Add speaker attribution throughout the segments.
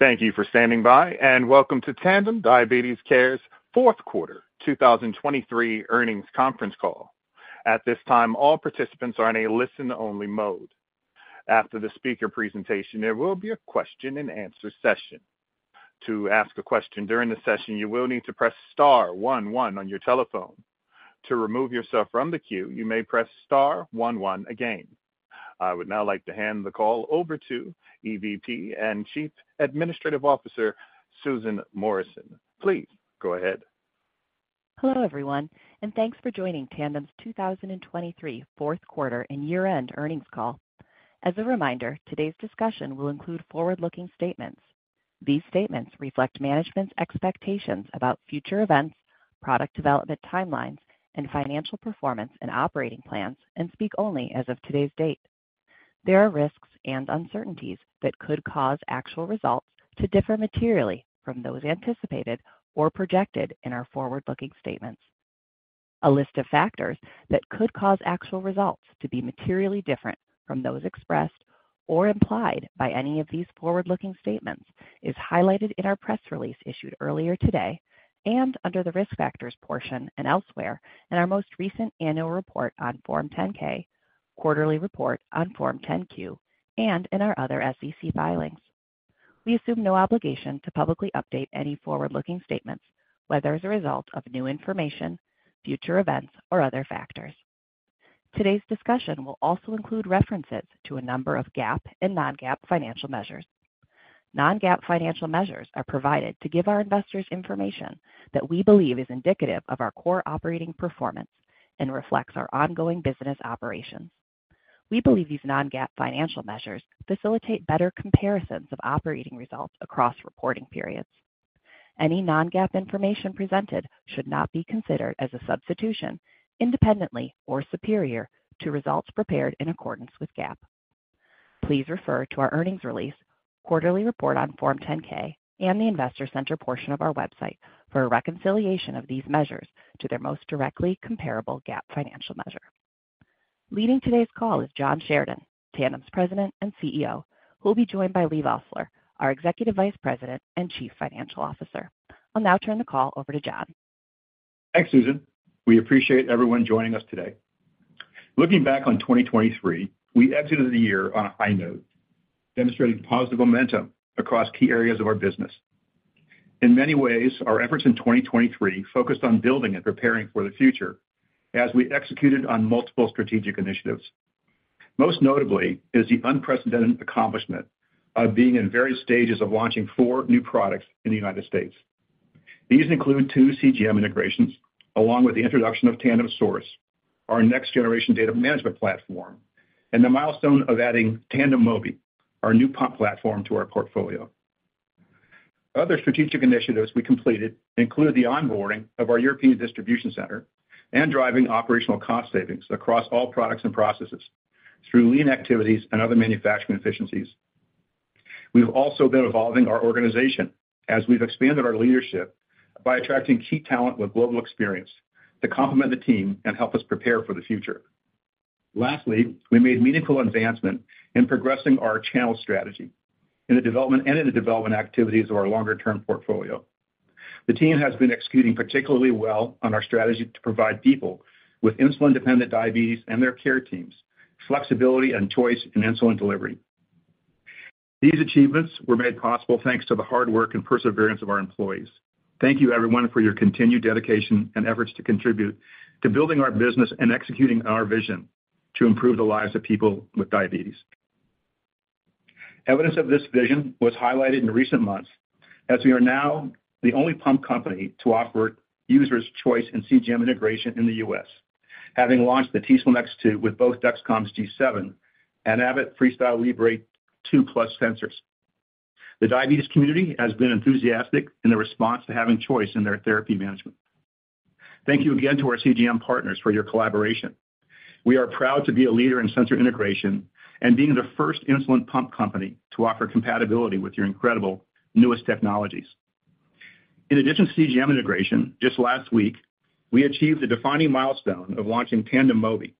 Speaker 1: Thank you for standing by, and welcome to Tandem Diabetes Care's Fourth Quarter 2023 Earnings Conference Call. At this time, all participants are in a listen-only mode. After the speaker presentation, there will be a question-and-answer session. To ask a question during the session, you will need to press star one one on your telephone. To remove yourself from the queue, you may press star one one again. I would now like to hand the call over to EVP and Chief Administrative Officer Susan Morrison. Please go ahead.
Speaker 2: Hello, everyone, and thanks for joining Tandem's 2023 Fourth Quarter and Year-End Earnings Call. As a reminder, today's discussion will include forward-looking statements. These statements reflect management's expectations about future events, product development timelines, and financial performance and operating plans, and speak only as of today's date. There are risks and uncertainties that could cause actual results to differ materially from those anticipated or projected in our forward-looking statements. A list of factors that could cause actual results to be materially different from those expressed or implied by any of these forward-looking statements is highlighted in our press release issued earlier today and under the Risk Factors portion and elsewhere in our most recent annual report on Form 10-K, quarterly report on Form 10-Q, and in our other SEC filings. We assume no obligation to publicly update any forward-looking statements, whether as a result of new information, future events, or other factors. Today's discussion will also include references to a number of GAAP and non-GAAP financial measures. Non-GAAP financial measures are provided to give our investors information that we believe is indicative of our core operating performance and reflects our ongoing business operations. We believe these non-GAAP financial measures facilitate better comparisons of operating results across reporting periods. Any non-GAAP information presented should not be considered as a substitution, independently, or superior to results prepared in accordance with GAAP. Please refer to our earnings release, quarterly report on Form 10-K, and the Investor Center portion of our website for a reconciliation of these measures to their most directly comparable GAAP financial measure. Leading today's call is John Sheridan, Tandem's President and CEO, who will be joined by Leigh Vosseller, our Executive Vice President and Chief Financial Officer. I'll now turn the call over to John.
Speaker 3: Thanks, Susan. We appreciate everyone joining us today. Looking back on 2023, we exited the year on a high note, demonstrating positive momentum across key areas of our business. In many ways, our efforts in 2023 focused on building and preparing for the future as we executed on multiple strategic initiatives. Most notably is the unprecedented accomplishment of being in various stages of launching four new products in the U.S. These include two CGM integrations, along with the introduction of Tandem Source, our next-generation data management platform, and the milestone of adding Tandem Mobi, our new pump platform, to our portfolio. Other strategic initiatives we completed include the onboarding of our European Distribution Center and driving operational cost savings across all products and processes through lean activities and other manufacturing efficiencies. We've also been evolving our organization as we've expanded our leadership by attracting key talent with global experience to complement the team and help us prepare for the future. Lastly, we made meaningful advancement in progressing our channel strategy in the development activities of our longer-term portfolio. The team has been executing particularly well on our strategy to provide people with insulin-dependent diabetes and their care teams flexibility and choice in insulin delivery. These achievements were made possible thanks to the hard work and perseverance of our employees. Thank you, everyone, for your continued dedication and efforts to contribute to building our business and executing our vision to improve the lives of people with diabetes. Evidence of this vision was highlighted in recent months as we are now the only pump company to offer users choice in CGM integration in the U.S., having launched the t:slim X2 with both Dexcom's G7 and Abbott's FreeStyle Libre 2+ sensors. The diabetes community has been enthusiastic in the response to having choice in their therapy management. Thank you again to our CGM partners for your collaboration. We are proud to be a leader in sensor integration and being the first insulin pump company to offer compatibility with your incredible newest technologies. In addition to CGM integration, just last week, we achieved the defining milestone of launching Tandem Mobi.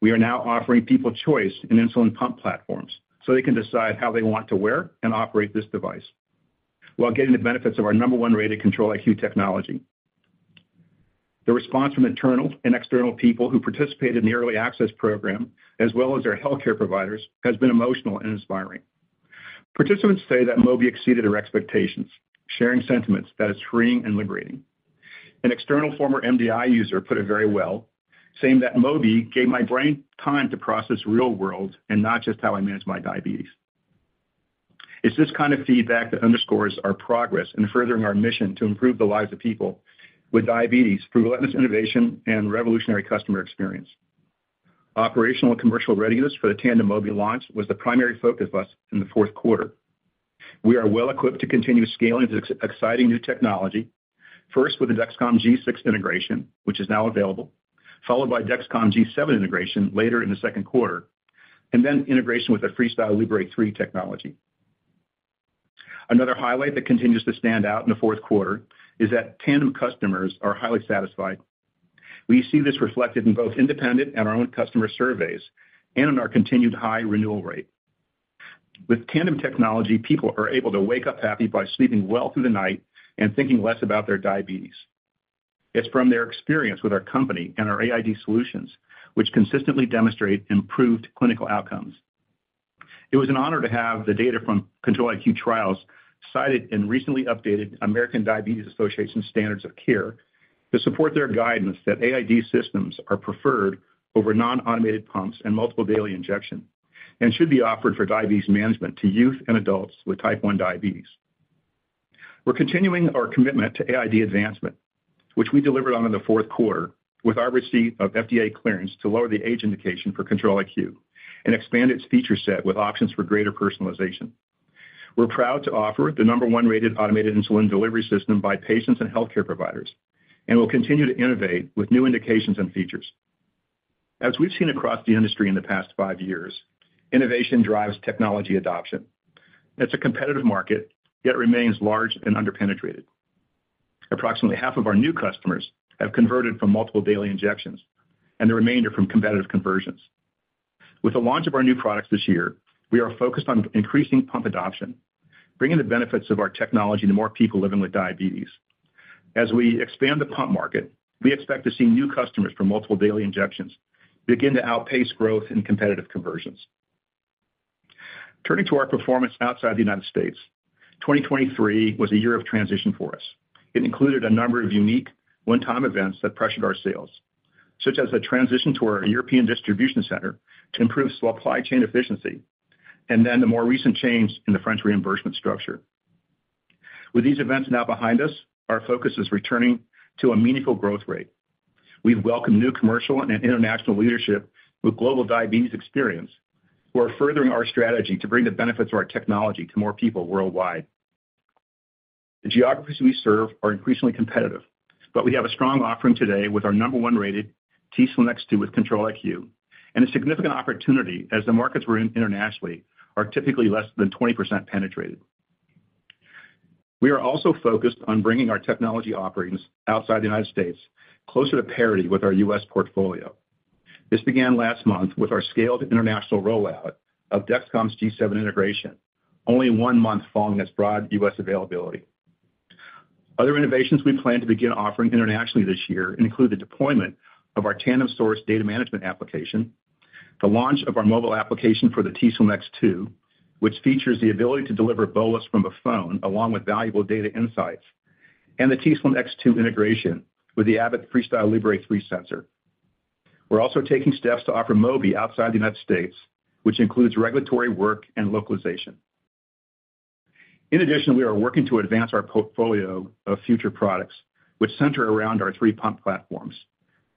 Speaker 3: We are now offering people choice in insulin pump platforms so they can decide how they want to wear and operate this device while getting the benefits of our number one rated Control-IQ technology. The response from internal and external people who participated in the Early Access program, as well as their healthcare providers, has been emotional and inspiring. Participants say that Mobi exceeded their expectations, sharing sentiments that are freeing and liberating. An external former MDI user put it very well, saying that, "Mobi gave my brain time to process real world and not just how I manage my diabetes." It's this kind of feedback that underscores our progress in furthering our mission to improve the lives of people with diabetes through relentless innovation and revolutionary customer experience. Operational and commercial readiness for the Tandem Mobi launch was the primary focus of us in the fourth quarter. We are well equipped to continue scaling this exciting new technology, first with the Dexcom G6 integration, which is now available, followed by Dexcom G7 integration later in the second quarter, and then integration with the FreeStyle Libre 3 technology. Another highlight that continues to stand out in the fourth quarter is that Tandem customers are highly satisfied. We see this reflected in both independent and our own customer surveys and in our continued high renewal rate. With Tandem technology, people are able to wake up happy by sleeping well through the night and thinking less about their diabetes. It's from their experience with our company and our AID solutions which consistently demonstrate improved clinical outcomes. It was an honor to have the data from Control-IQ trials cited in recently updated American Diabetes Association Standards of Care to support their guidance that AID systems are preferred over non-automated pumps and multiple daily injections and should be offered for diabetes management to youth and adults with Type 1 Diabetes. We're continuing our commitment to AID advancement, which we delivered on in the fourth quarter with our receipt of FDA clearance to lower the age indication for Control-IQ and expand its feature set with options for greater personalization. We're proud to offer the number one rated automated insulin delivery system by patients and healthcare providers, and we'll continue to innovate with new indications and features. As we've seen across the industry in the past five years, innovation drives technology adoption. It's a competitive market yet remains large and underpenetrated. Approximately half of our new customers have converted from multiple daily injections, and the remainder from competitive conversions. With the launch of our new products this year, we are focused on increasing pump adoption, bringing the benefits of our technology to more people living with diabetes. As we expand the pump market, we expect to see new customers for multiple daily injections begin to outpace growth in competitive conversions. Turning to our performance outside the U.S., 2023 was a year of transition for us. It included a number of unique one-time events that pressured our sales, such as the transition to our European Distribution Center to improve supply chain efficiency and then the more recent change in the French reimbursement structure. With these events now behind us, our focus is returning to a meaningful growth rate. We've welcomed new commercial and international leadership with global diabetes experience who are furthering our strategy to bring the benefits of our technology to more people worldwide. The geographies we serve are increasingly competitive, but we have a strong offering today with our number one rated t:slim X2 with Control-IQ and a significant opportunity as the markets internationally are typically less than 20% penetrated. We are also focused on bringing our technology operations outside the U.S. closer to parity with our U.S. portfolio. This began last month with our scaled international rollout of Dexcom G7 integration, only one month following its broad U.S. availability. Other innovations we plan to begin offering internationally this year include the deployment of our Tandem Source data management application, the launch of our mobile application for the t:slim X2, which features the ability to deliver bolus from a phone along with valuable data insights, and the t:slim X2 integration with the Abbott FreeStyle Libre 3 sensor. We're also taking steps to offer Mobi outside the U.S., which includes regulatory work and localization. In addition, we are working to advance our portfolio of future products which center around our three pump platforms: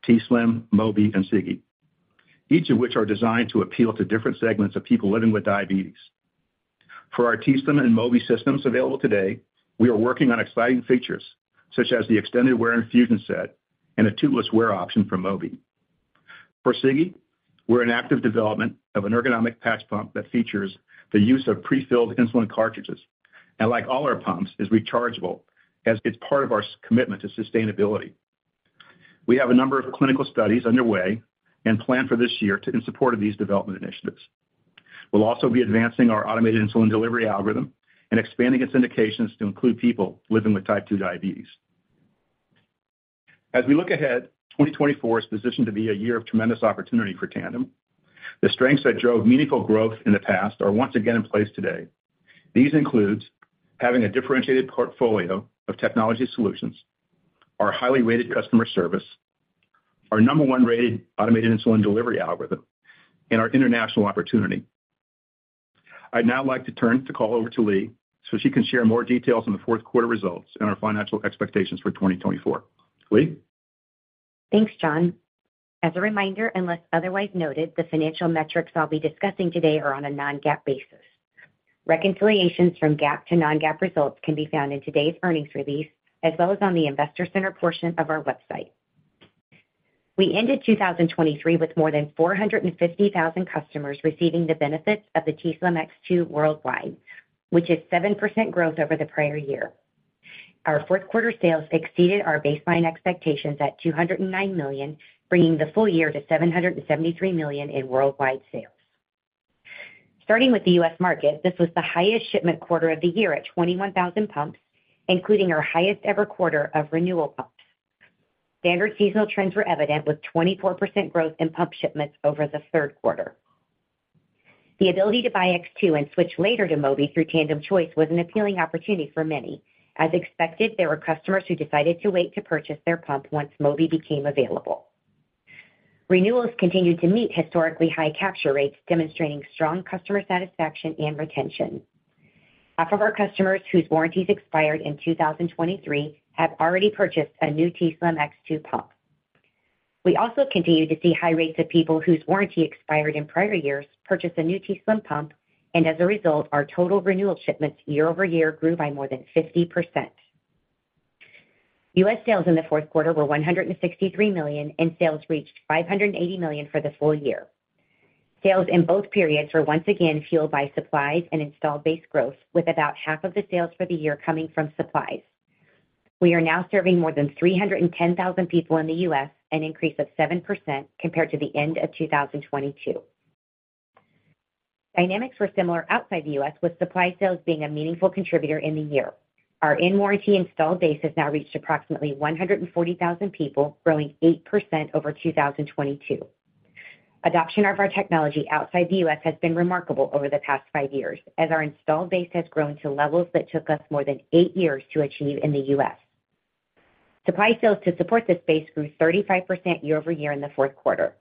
Speaker 3: t:slim, Mobi, and Sigi, each of which are designed to appeal to different segments of people living with diabetes. For our t:slim and Mobi systems available today, we are working on exciting features such as the extended wear infusion set and a tubeless wear option for Mobi. For Sigi, we're in active development of an ergonomic patch pump that features the use of prefilled insulin cartridges and, like all our pumps, is rechargeable as it's part of our commitment to sustainability. We have a number of clinical studies underway and planned for this year in support of these development initiatives. We'll also be advancing our automated insulin delivery algorithm and expanding its indications to include people living with Type 2 diabetes. As we look ahead, 2024 is positioned to be a year of tremendous opportunity for Tandem. The strengths that drove meaningful growth in the past are once again in place today. These include having a differentiated portfolio of technology solutions, our highly rated customer service, our number one rated automated insulin delivery algorithm, and our international opportunity. I'd now like to turn the call over to Leigh so she can share more details on the fourth quarter results and our financial expectations for 2024. Leigh?
Speaker 4: Thanks, John. As a reminder, unless otherwise noted, the financial metrics I'll be discussing today are on a non-GAAP basis. Reconciliations from GAAP to non-GAAP results can be found in today's earnings release as well as on the Investor Center portion of our website. We ended 2023 with more than 450,000 customers receiving the benefits of the t:slim X2 worldwide, which is 7% growth over the prior year. Our fourth quarter sales exceeded our baseline expectations at $209 million, bringing the full year to $773 million in worldwide sales. Starting with the U.S. market, this was the highest shipment quarter of the year at 21,000 pumps, including our highest ever quarter of renewal pumps. Standard seasonal trends were evident with 24% growth in pump shipments over the third quarter. The ability to buy X2 and switch later to Mobi through Tandem Choice was an appealing opportunity for many. As expected, there were customers who decided to wait to purchase their pump once Mobi became available. Renewals continued to meet historically high capture rates, demonstrating strong customer satisfaction and retention. Half of our customers whose warranties expired in 2023 have already purchased a new t:slim X2 pump. We also continued to see high rates of people whose warranty expired in prior years purchase a new t:slim pump, and as a result, our total renewal shipments year-over-year grew by more than 50%. U.S. sales in the fourth quarter were $163 million, and sales reached $580 million for the full year. Sales in both periods were once again fueled by supplies and installed base growth, with about half of the sales for the year coming from supplies. We are now serving more than 310,000 people in the U.S., an increase of 7% compared to the end of 2022. Dynamics were similar outside the U.S., with supply sales being a meaningful contributor in the year. Our in-warranty installed base has now reached approximately 140,000 people, growing 8% over 2022. Adoption of our technology outside the U.S. has been remarkable over the past five years, as our installed base has grown to levels that took us more than eight years to achieve in the U.S. Supply sales to support this base grew 35% year-over-year in the fourth quarter.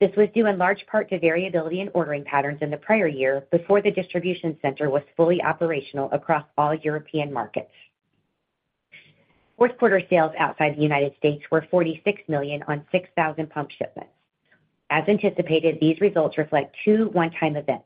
Speaker 4: This was due in large part to variability in ordering patterns in the prior year before the Distribution Center was fully operational across all European markets. Fourth quarter sales outside the U.S. were $46 million on 6,000 pump shipments. As anticipated, these results reflect two one-time events.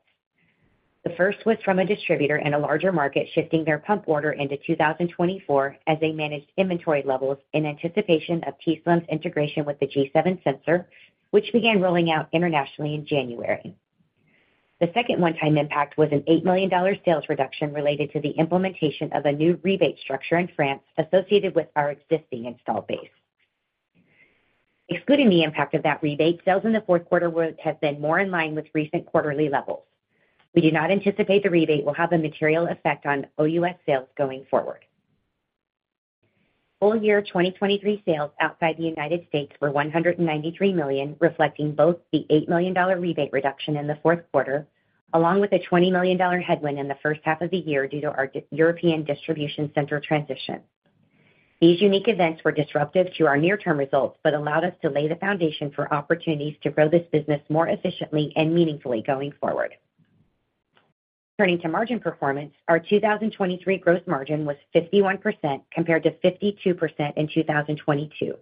Speaker 4: The first was from a distributor in a larger market shifting their pump order into 2024 as they managed inventory levels in anticipation of t:slim's integration with the G7 sensor, which began rolling out internationally in January. The second one-time impact was an $8 million sales reduction related to the implementation of a new rebate structure in France associated with our existing installed base. Excluding the impact of that rebate, sales in the fourth quarter have been more in line with recent quarterly levels. We do not anticipate the rebate will have a material effect on OUS sales going forward. Full year 2023 sales outside the U.S. were $193 million, reflecting both the $8 million rebate reduction in the fourth quarter along with a $20 million headwind in the first half of the year due to our European Distribution Center transition. These unique events were disruptive to our near-term results but allowed us to lay the foundation for opportunities to grow this business more efficiently and meaningfully going forward. Turning to margin performance, our 2023 gross margin was 51% compared to 52% in 2022.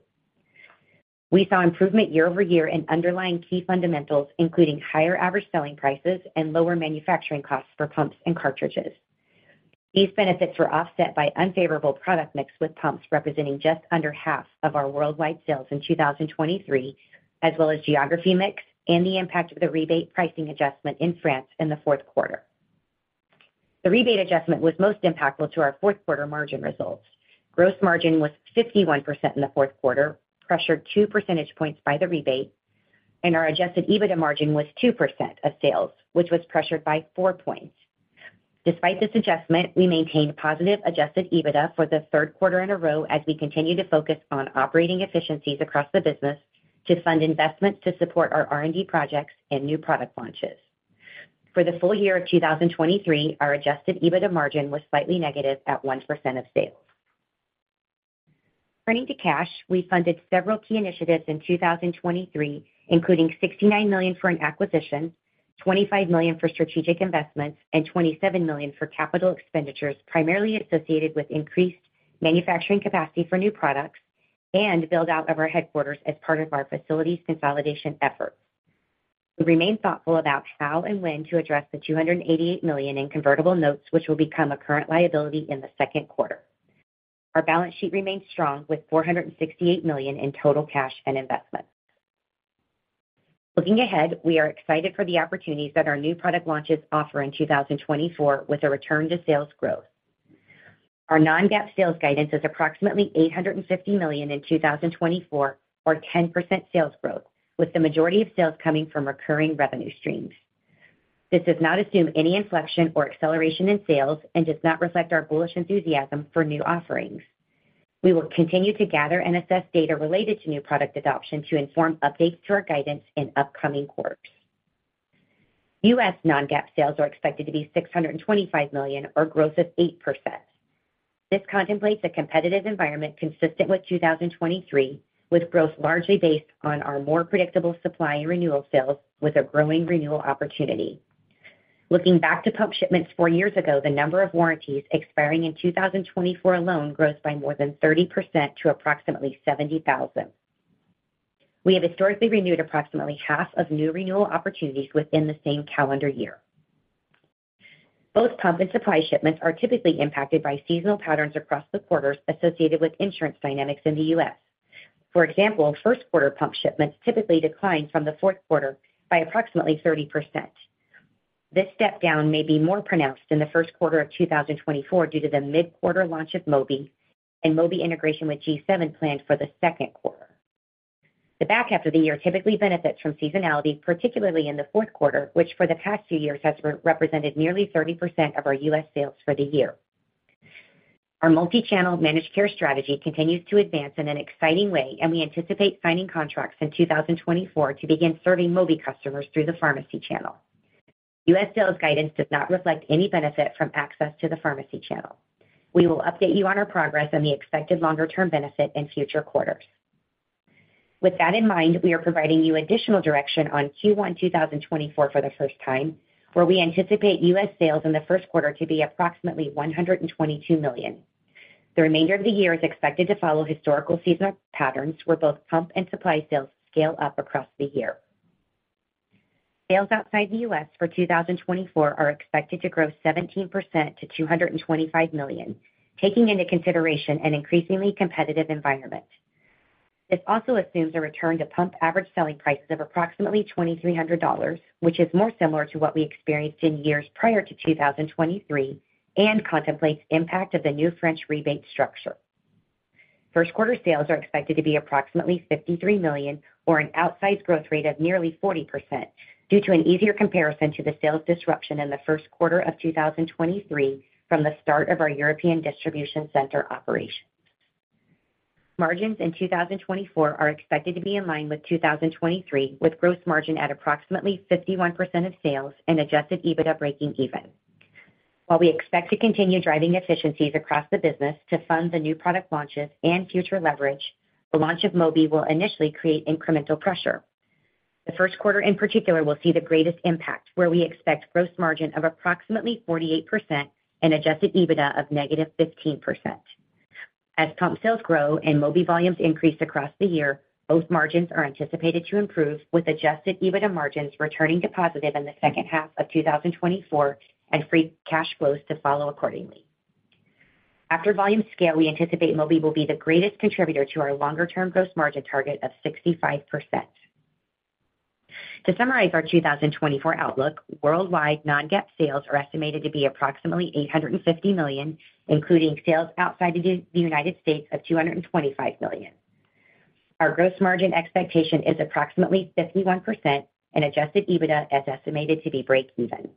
Speaker 4: We saw improvement year-over-year in underlying key fundamentals, including higher average selling prices and lower manufacturing costs for pumps and cartridges. These benefits were offset by unfavorable product mix with pumps representing just under half of our worldwide sales in 2023, as well as geography mix and the impact of the rebate pricing adjustment in France in the fourth quarter. The rebate adjustment was most impactful to our fourth quarter margin results. Gross margin was 51% in the fourth quarter, pressured 2 percentage points by the rebate, and our Adjusted EBITDA margin was 2% of sales, which was pressured by 4 points. Despite this adjustment, we maintained positive Adjusted EBITDA for the third quarter in a row as we continue to focus on operating efficiencies across the business to fund investments to support our R&D projects and new product launches. For the full year of 2023, our Adjusted EBITDA margin was slightly negative at 1% of sales. Turning to cash, we funded several key initiatives in 2023, including $69 million for an acquisition, $25 million for strategic investments, and $27 million for capital expenditures primarily associated with increased manufacturing capacity for new products and build-out of our headquarters as part of our facilities consolidation efforts. We remained thoughtful about how and when to address the $288 million in convertible notes, which will become a current liability in the second quarter. Our balance sheet remained strong with $468 million in total cash and investments. Looking ahead, we are excited for the opportunities that our new product launches offer in 2024 with a return to sales growth. Our non-GAAP sales guidance is approximately $850 million in 2024 or 10% sales growth, with the majority of sales coming from recurring revenue streams. This does not assume any inflection or acceleration in sales and does not reflect our bullish enthusiasm for new offerings. We will continue to gather and assess data related to new product adoption to inform updates to our guidance in upcoming quarters. U.S. non-GAAP sales are expected to be $625 million or growth of 8%. This contemplates a competitive environment consistent with 2023, with growth largely based on our more predictable supply and renewal sales with a growing renewal opportunity. Looking back to pump shipments four years ago, the number of warranties expiring in 2024 alone grows by more than 30% to approximately 70,000. We have historically renewed approximately half of new renewal opportunities within the same calendar year. Both pump and supply shipments are typically impacted by seasonal patterns across the quarters associated with insurance dynamics in the U.S. For example, first quarter pump shipments typically decline from the fourth quarter by approximately 30%. This step down may be more pronounced in the first quarter of 2024 due to the mid-quarter launch of Mobi and Mobi integration with G7 planned for the second quarter. The back half of the year typically benefits from seasonality, particularly in the fourth quarter, which for the past few years has represented nearly 30% of our U.S. sales for the year. Our multi-channel managed care strategy continues to advance in an exciting way, and we anticipate signing contracts in 2024 to begin serving Mobi customers through the pharmacy channel. U.S. sales guidance does not reflect any benefit from access to the pharmacy channel. We will update you on our progress and the expected longer-term benefit in future quarters. With that in mind, we are providing you additional direction on Q1 2024 for the first time, where we anticipate U.S. sales in the first quarter to be approximately $122 million. The remainder of the year is expected to follow historical seasonal patterns where both pump and supply sales scale up across the year. Sales outside the U.S. for 2024 are expected to grow 17% to $225 million, taking into consideration an increasingly competitive environment. This also assumes a return to pump average selling prices of approximately $2,300, which is more similar to what we experienced in years prior to 2023 and contemplates impact of the new French rebate structure. First quarter sales are expected to be approximately $53 million or an outsized growth rate of nearly 40% due to an easier comparison to the sales disruption in the first quarter of 2023 from the start of our European Distribution Center operations. Margins in 2024 are expected to be in line with 2023, with gross margin at approximately 51% of sales and Adjusted EBITDA breaking even. While we expect to continue driving efficiencies across the business to fund the new product launches and future leverage, the launch of Mobi will initially create incremental pressure. The first quarter in particular will see the greatest impact, where we expect gross margin of approximately 48% and Adjusted EBITDA of -15%. As pump sales grow and Mobi volumes increase across the year, both margins are anticipated to improve, with Adjusted EBITDA margins returning to positive in the second half of 2024 and free cash flows to follow accordingly. After volume scale, we anticipate Mobi will be the greatest contributor to our longer-term gross margin target of 65%. To summarize our 2024 outlook, worldwide non-GAAP sales are estimated to be approximately $850 million, including sales outside the U.S. of $225 million. Our gross margin expectation is approximately 51%, and Adjusted EBITDA is estimated to be break even.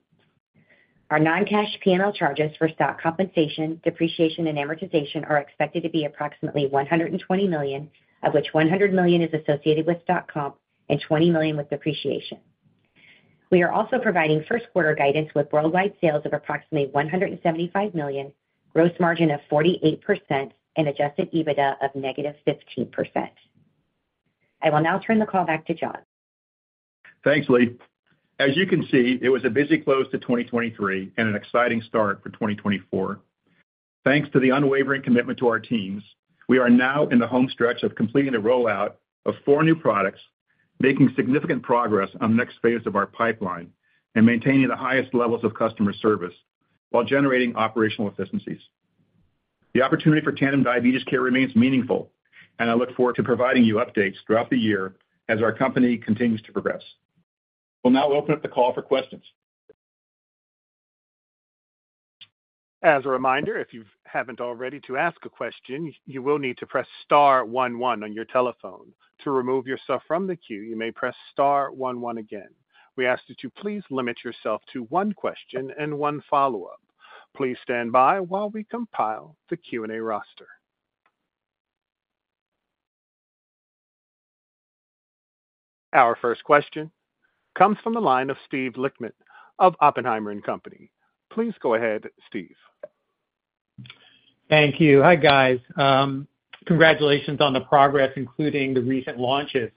Speaker 4: Our non-cash P&L charges for stock compensation, depreciation, and amortization are expected to be approximately $120 million, of which $100 million is associated with stock comp and $20 million with depreciation. We are also providing first quarter guidance with worldwide sales of approximately $175 million, gross margin of 48%, and Adjusted EBITDA of negative 15%. I will now turn the call back to John.
Speaker 3: Thanks, Leigh. As you can see, it was a busy close to 2023 and an exciting start for 2024. Thanks to the unwavering commitment to our teams, we are now in the home stretch of completing the rollout of four new products, making significant progress on the next phase of our pipeline, and maintaining the highest levels of customer service while generating operational efficiencies. The opportunity for Tandem Diabetes Care remains meaningful, and I look forward to providing you updates throughout the year as our company continues to progress. We'll now open up the call for questions.
Speaker 1: As a reminder, if you haven't already asked a question, you will need to press star one one on your telephone. To remove yourself from the queue, you may press star one one again. We ask that you please limit yourself to one question and one follow-up. Please stand by while we compile the Q&A roster. Our first question comes from the line of Steve Lichtman of Oppenheimer & Company. Please go ahead, Steve.
Speaker 5: Thank you. Hi, guys. Congratulations on the progress, including the recent launches.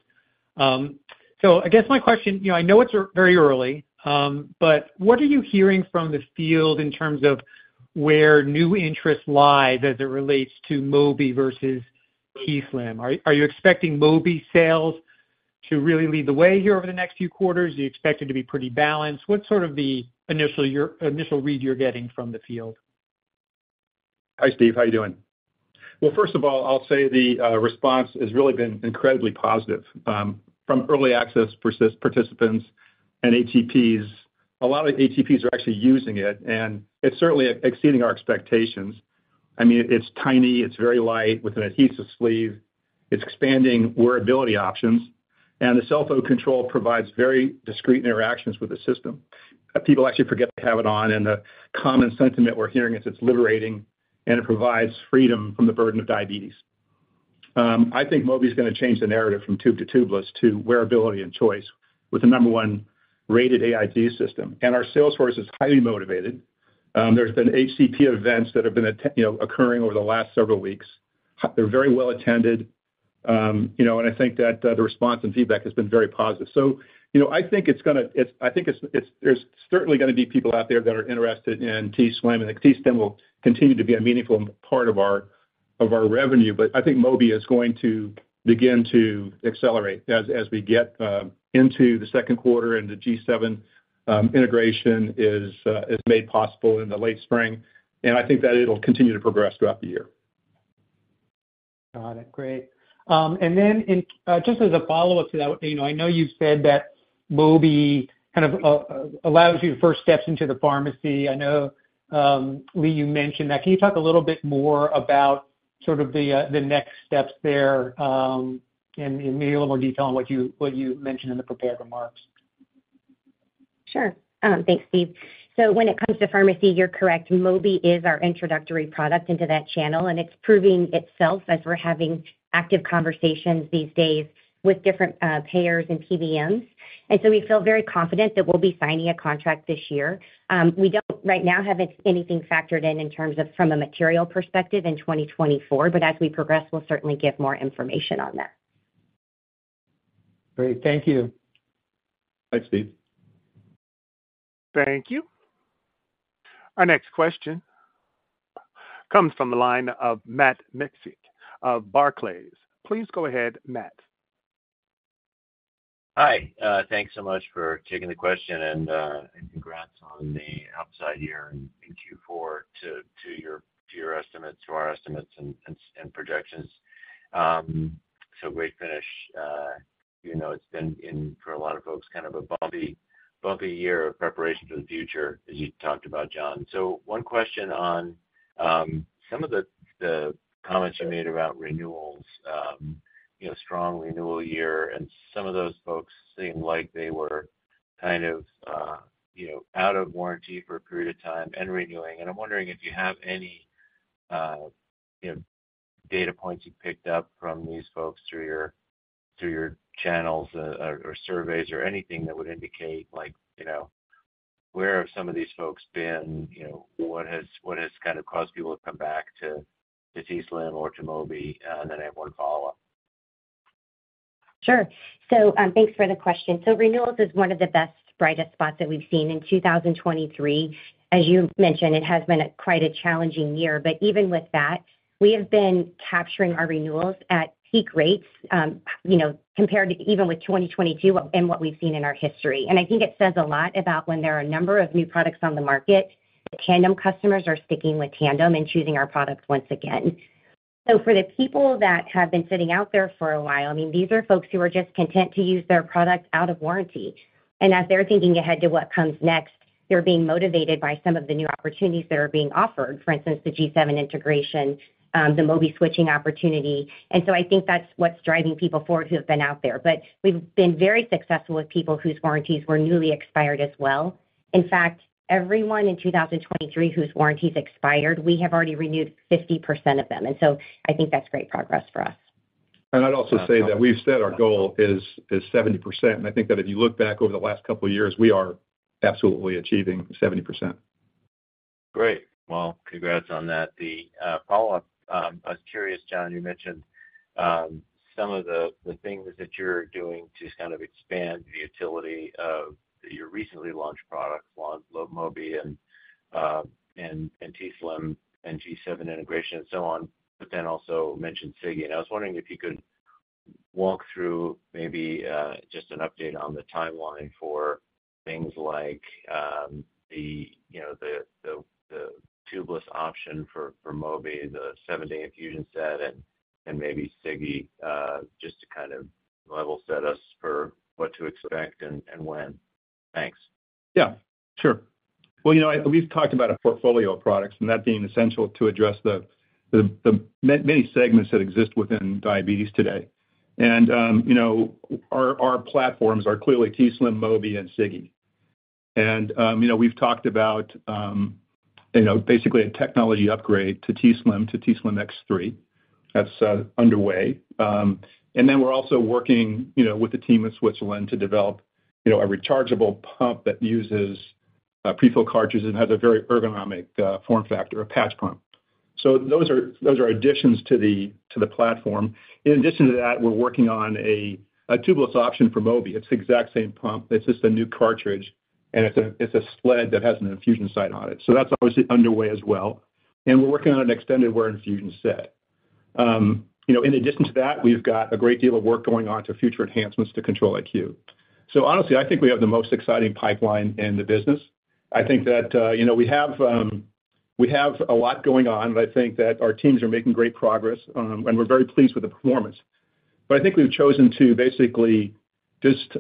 Speaker 5: So I guess my question. I know it's very early, but what are you hearing from the field in terms of where new interest lies as it relates to Mobi versus t:slim? Are you expecting Mobi sales to really lead the way here over the next few quarters? Are you expecting it to be pretty balanced? What's sort of the initial read you're getting from the field?
Speaker 3: Hi, Steve. How are you doing? Well, first of all, I'll say the response has really been incredibly positive. From early access participants and ATPs, a lot of ATPs are actually using it, and it's certainly exceeding our expectations. I mean, it's tiny. It's very light with an adhesive sleeve. It's expanding wearability options, and the cell phone control provides very discrete interactions with the system. People actually forget to have it on, and the common sentiment we're hearing is it's liberating, and it provides freedom from the burden of diabetes. I think Mobi is going to change the narrative from tube to tubeless to wearability and choice with the number one rated AID system. Our sales force is highly motivated. There have been HCP events that have been occurring over the last several weeks. They're very well attended, and I think that the response and feedback has been very positive. So I think there's certainly going to be people out there that are interested in t:slim, and t:slim will continue to be a meaningful part of our revenue. But I think Mobi is going to begin to accelerate as we get into the second quarter, and the G7 integration is made possible in the late spring. And I think that it'll continue to progress throughout the year.
Speaker 5: Got it. Great. And then just as a follow-up to that, I know you've said that Mobi kind of allows you to first steps into the pharmacy. I know, Leigh, you mentioned that. Can you talk a little bit more about sort of the next steps there and maybe a little more detail on what you mentioned in the prepared remarks?
Speaker 4: Sure. Thanks, Steve. So when it comes to pharmacy, you're correct. Mobi is our introductory product into that channel, and it's proving itself as we're having active conversations these days with different payers and PBMs. And so we feel very confident that we'll be signing a contract this year. We don't right now have anything factored in in terms of from a material perspective in 2024, but as we progress, we'll certainly give more information on that.
Speaker 5: Great. Thank you.
Speaker 3: Thanks, Steve.
Speaker 1: Thank you. Our next question comes from the line of Matt Miksic of Barclays. Please go ahead, Matt.
Speaker 6: Hi. Thanks so much for taking the question, and congrats on the outsize year in Q4 to your estimates, to our estimates, and projections. So great finish. It's been for a lot of folks kind of a bumpy year of preparation for the future, as you talked about, John. So one question on some of the comments you made about renewals, strong renewal year, and some of those folks seem like they were kind of out of warranty for a period of time and renewing. And I'm wondering if you have any data points you picked up from these folks through your channels or surveys or anything that would indicate where have some of these folks been? What has kind of caused people to come back to t:slim or to Mobi and then have one follow-up?
Speaker 4: Sure. So thanks for the question. So renewals is one of the best, brightest spots that we've seen in 2023. As you mentioned, it has been quite a challenging year. But even with that, we have been capturing our renewals at peak rates compared even with 2022 and what we've seen in our history. And I think it says a lot about when there are a number of new products on the market, that Tandem customers are sticking with Tandem and choosing our product once again. So for the people that have been sitting out there for a while, I mean, these are folks who are just content to use their product out of warranty. And as they're thinking ahead to what comes next, they're being motivated by some of the new opportunities that are being offered, for instance, the G7 integration, the Mobi switching opportunity. And so I think that's what's driving people forward who have been out there. But we've been very successful with people whose warranties were newly expired as well. In fact, everyone in 2023 whose warranties expired, we have already renewed 50% of them. And so I think that's great progress for us.
Speaker 3: I'd also say that we've set our goal as 70%. I think that if you look back over the last couple of years, we are absolutely achieving 70%.
Speaker 6: Great. Well, congrats on that. The follow-up, I was curious, John, you mentioned some of the things that you're doing to kind of expand the utility of your recently launched products, Mobi and t:slim and G7 integration and so on, but then also mentioned Sigi. And I was wondering if you could walk through maybe just an update on the timeline for things like the tubeless option for Mobi, the seven-day infusion set, and maybe Sigi just to kind of level set us for what to expect and when. Thanks.
Speaker 3: Yeah. Sure. Well, we've talked about a portfolio of products, and that being essential to address the many segments that exist within diabetes today. Our platforms are clearly t:slim, Mobi, and Sigi. We've talked about basically a technology upgrade to t:slim, to t:slim X3. That's underway. We're also working with the team in Switzerland to develop a rechargeable pump that uses prefill cartridges and has a very ergonomic form factor, a patch pump. So those are additions to the platform. In addition to that, we're working on a tubeless option for Mobi. It's the exact same pump. It's just a new cartridge, and it's a sled that has an infusion site on it. So that's obviously underway as well. We're working on an extended wear infusion set. In addition to that, we've got a great deal of work going on to future enhancements to Control-IQ. So honestly, I think we have the most exciting pipeline in the business. I think that we have a lot going on, and I think that our teams are making great progress, and we're very pleased with the performance. But I think we've chosen to basically just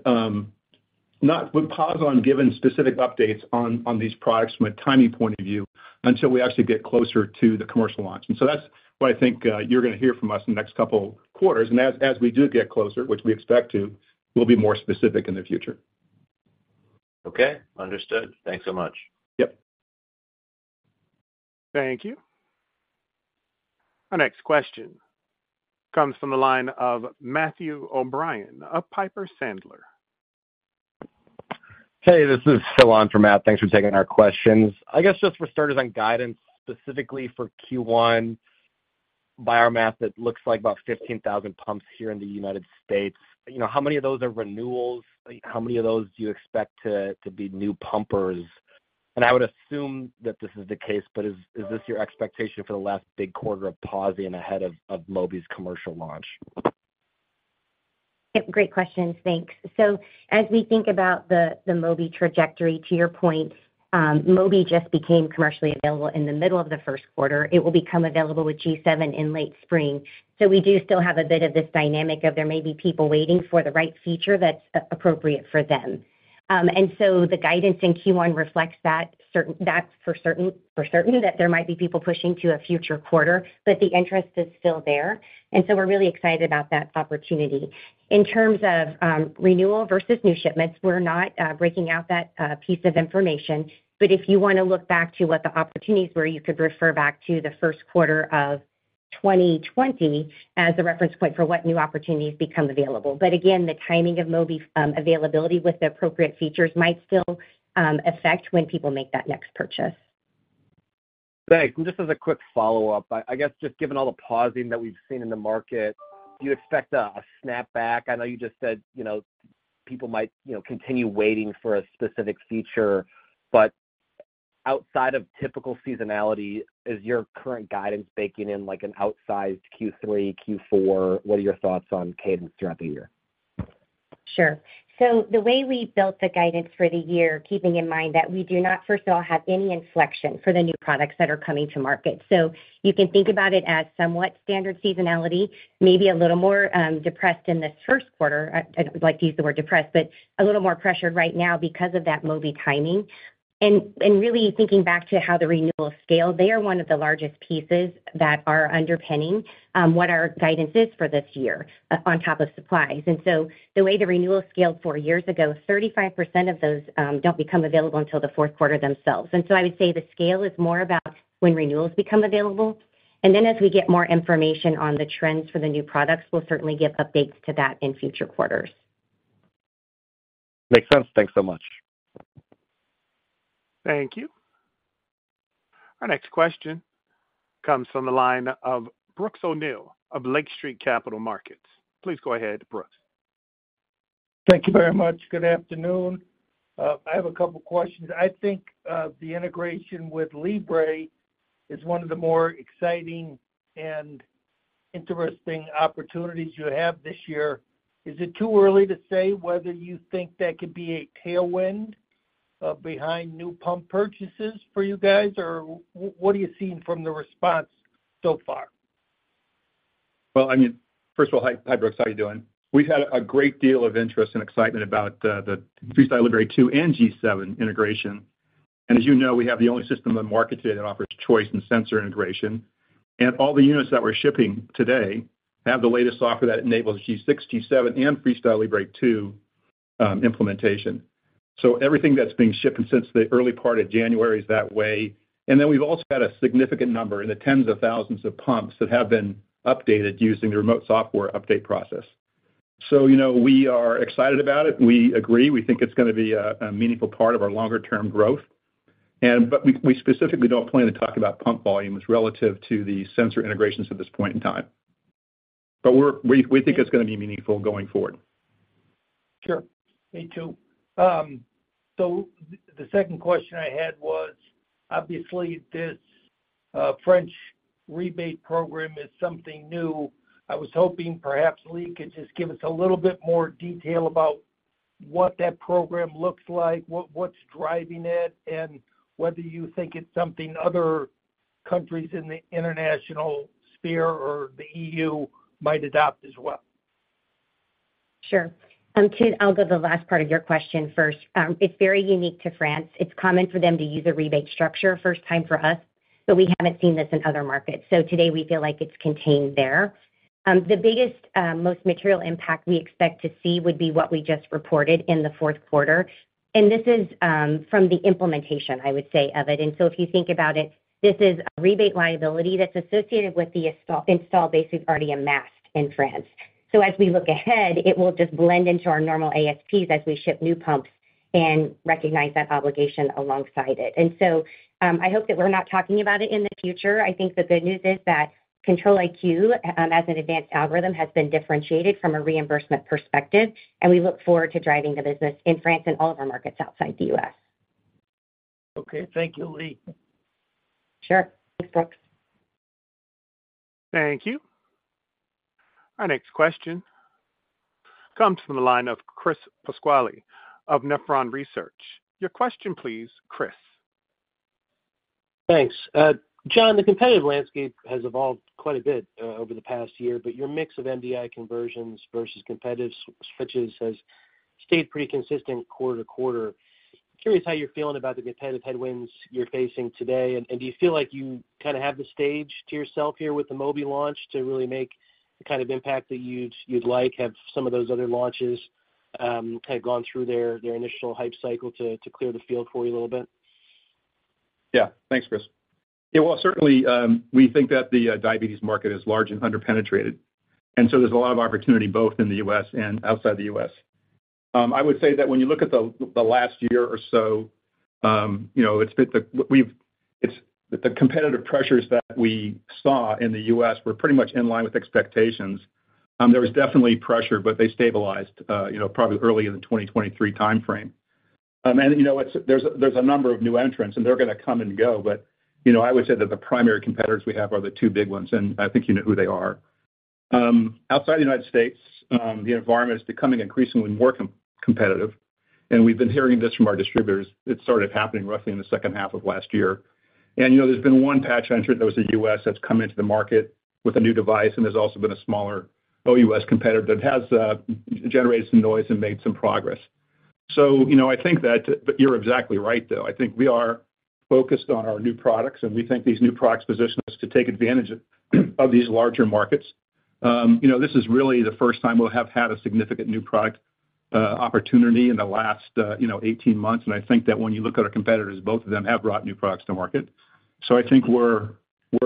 Speaker 3: not pause on given specific updates on these products from a timing point of view until we actually get closer to the commercial launch. And so that's what I think you're going to hear from us in the next couple of quarters. And as we do get closer, which we expect to, we'll be more specific in the future.
Speaker 6: Okay. Understood. Thanks so much.
Speaker 3: Yep.
Speaker 1: Thank you. Our next question comes from the line of Matthew O'Brien, a Piper Sandler.
Speaker 7: Hey, this is Phil on for Matt. Thanks for taking our questions. I guess just for starters on guidance, specifically for Q1, by our math, it looks like about 15,000 pumps here in the U.S. How many of those are renewals? How many of those do you expect to be new pumpers? And I would assume that this is the case, but is this your expectation for the last big quarter of t:slim and ahead of Mobi's commercial launch?
Speaker 4: Yep. Great questions. Thanks. So as we think about the Mobi trajectory, to your point, Mobi just became commercially available in the middle of the first quarter. It will become available with G7 in late spring. So we do still have a bit of this dynamic of there may be people waiting for the right feature that's appropriate for them. And so the guidance in Q1 reflects that, for certain, that there might be people pushing to a future quarter, but the interest is still there. And so we're really excited about that opportunity. In terms of renewal versus new shipments, we're not breaking out that piece of information. But if you want to look back to what the opportunities were, you could refer back to the first quarter of 2020 as a reference point for what new opportunities become available. But again, the timing of Mobi availability with the appropriate features might still affect when people make that next purchase.
Speaker 7: Thanks. And just as a quick follow-up, I guess just given all the pauses that we've seen in the market, do you expect a snapback? I know you just said people might continue waiting for a specific feature. But outside of typical seasonality, is your current guidance baking in an outsized Q3, Q4? What are your thoughts on cadence throughout the year?
Speaker 4: Sure. So the way we built the guidance for the year, keeping in mind that we do not, first of all, have any inflection for the new products that are coming to market. So you can think about it as somewhat standard seasonality, maybe a little more depressed in this first quarter. I don't like to use the word depressed, but a little more pressured right now because of that Mobi timing. And really thinking back to how the renewal scaled, they are one of the largest pieces that are underpinning what our guidance is for this year on top of supplies. And so the way the renewal scaled four years ago, 35% of those don't become available until the fourth quarter themselves. And so I would say the scale is more about when renewals become available. And then as we get more information on the trends for the new products, we'll certainly give updates to that in future quarters.
Speaker 7: Makes sense. Thanks so much.
Speaker 1: Thank you. Our next question comes from the line of Brooks O'Neill of Lake Street Capital Markets. Please go ahead, Brooks.
Speaker 8: Thank you very much. Good afternoon. I have a couple of questions. I think the integration with Libre is one of the more exciting and interesting opportunities you have this year. Is it too early to say whether you think that could be a tailwind behind new pump purchases for you guys, or what are you seeing from the response so far?
Speaker 3: Well, I mean, first of all, hi, Brooks. How are you doing? We've had a great deal of interest and excitement about the FreeStyle Libre 2 and G7 integration. And as you know, we have the only system on market today that offers choice and sensor integration. And all the units that we're shipping today have the latest software that enables G6, G7, and FreeStyle Libre 2 implementation. So everything that's being shipped since the early part of January is that way. And then we've also had a significant number in the tens of thousands of pumps that have been updated using the remote software update process. So we are excited about it. We agree. We think it's going to be a meaningful part of our longer-term growth. But we specifically don't plan to talk about pump volumes relative to the sensor integrations at this point in time. But we think it's going to be meaningful going forward.
Speaker 8: Sure. Me too. The second question I had was, obviously, this French rebate program is something new. I was hoping perhaps Leigh could just give us a little bit more detail about what that program looks like, what's driving it, and whether you think it's something other countries in the international sphere or the EU might adopt as well.
Speaker 4: Sure. And too, I'll go the last part of your question first. It's very unique to France. It's common for them to use a rebate structure. First time for us, but we haven't seen this in other markets. So today, we feel like it's contained there. The biggest, most material impact we expect to see would be what we just reported in the fourth quarter. And this is from the implementation, I would say, of it. And so if you think about it, this is a rebate liability that's associated with the installed base we've already amassed in France. So as we look ahead, it will just blend into our normal ASPs as we ship new pumps and recognize that obligation alongside it. And so I hope that we're not talking about it in the future. I think the good news is that Control-IQ, as an advanced algorithm, has been differentiated from a reimbursement perspective. We look forward to driving the business in France and all of our markets outside the U.S.
Speaker 8: Okay. Thank you, Leigh.
Speaker 4: Sure. Thanks, Brooks.
Speaker 1: Thank you. Our next question comes from the line of Chris Pasquale of Nephron Research. Your question, please, Chris.
Speaker 9: Thanks. John, the competitive landscape has evolved quite a bit over the past year, but your mix of MDI conversions versus competitive switches has stayed pretty consistent quarter-to-quarter. Curious how you're feeling about the competitive headwinds you're facing today. Do you feel like you kind of have the stage to yourself here with the Mobi launch to really make the kind of impact that you'd like? Have some of those other launches kind of gone through their initial hype cycle to clear the field for you a little bit?
Speaker 3: Yeah. Thanks, Chris. Yeah. Well, certainly, we think that the diabetes market is large and underpenetrated. So there's a lot of opportunity both in the U.S. and outside the U.S. I would say that when you look at the last year or so, it's been the competitive pressures that we saw in the U.S. were pretty much in line with expectations. There was definitely pressure, but they stabilized probably early in the 2023 timeframe. There's a number of new entrants, and they're going to come and go. But I would say that the primary competitors we have are the two big ones, and I think you know who they are. Outside the U.S., the environment is becoming increasingly more competitive. We've been hearing this from our distributors. It started happening roughly in the second half of last year. There's been one patch entrant that was the U.S. that's come into the market with a new device. There's also been a smaller OUS competitor that has generated some noise and made some progress. So I think that but you're exactly right, though. I think we are focused on our new products, and we think these new products position us to take advantage of these larger markets. This is really the first time we'll have had a significant new product opportunity in the last 18 months. And I think that when you look at our competitors, both of them have brought new products to market. So I think we're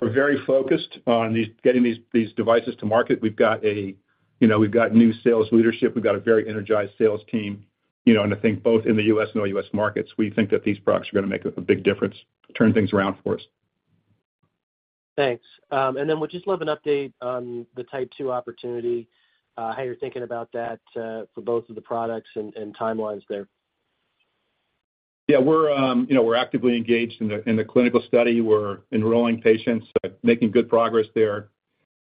Speaker 3: very focused on getting these devices to market. We've got new sales leadership. We've got a very energized sales team. I think both in the U.S. and OUS markets, we think that these products are going to make a big difference, turn things around for us.
Speaker 9: Thanks. And then would you just love an update on the Type 2 opportunity? How you're thinking about that for both of the products and timelines there?
Speaker 3: Yeah. We're actively engaged in the clinical study. We're enrolling patients, making good progress there.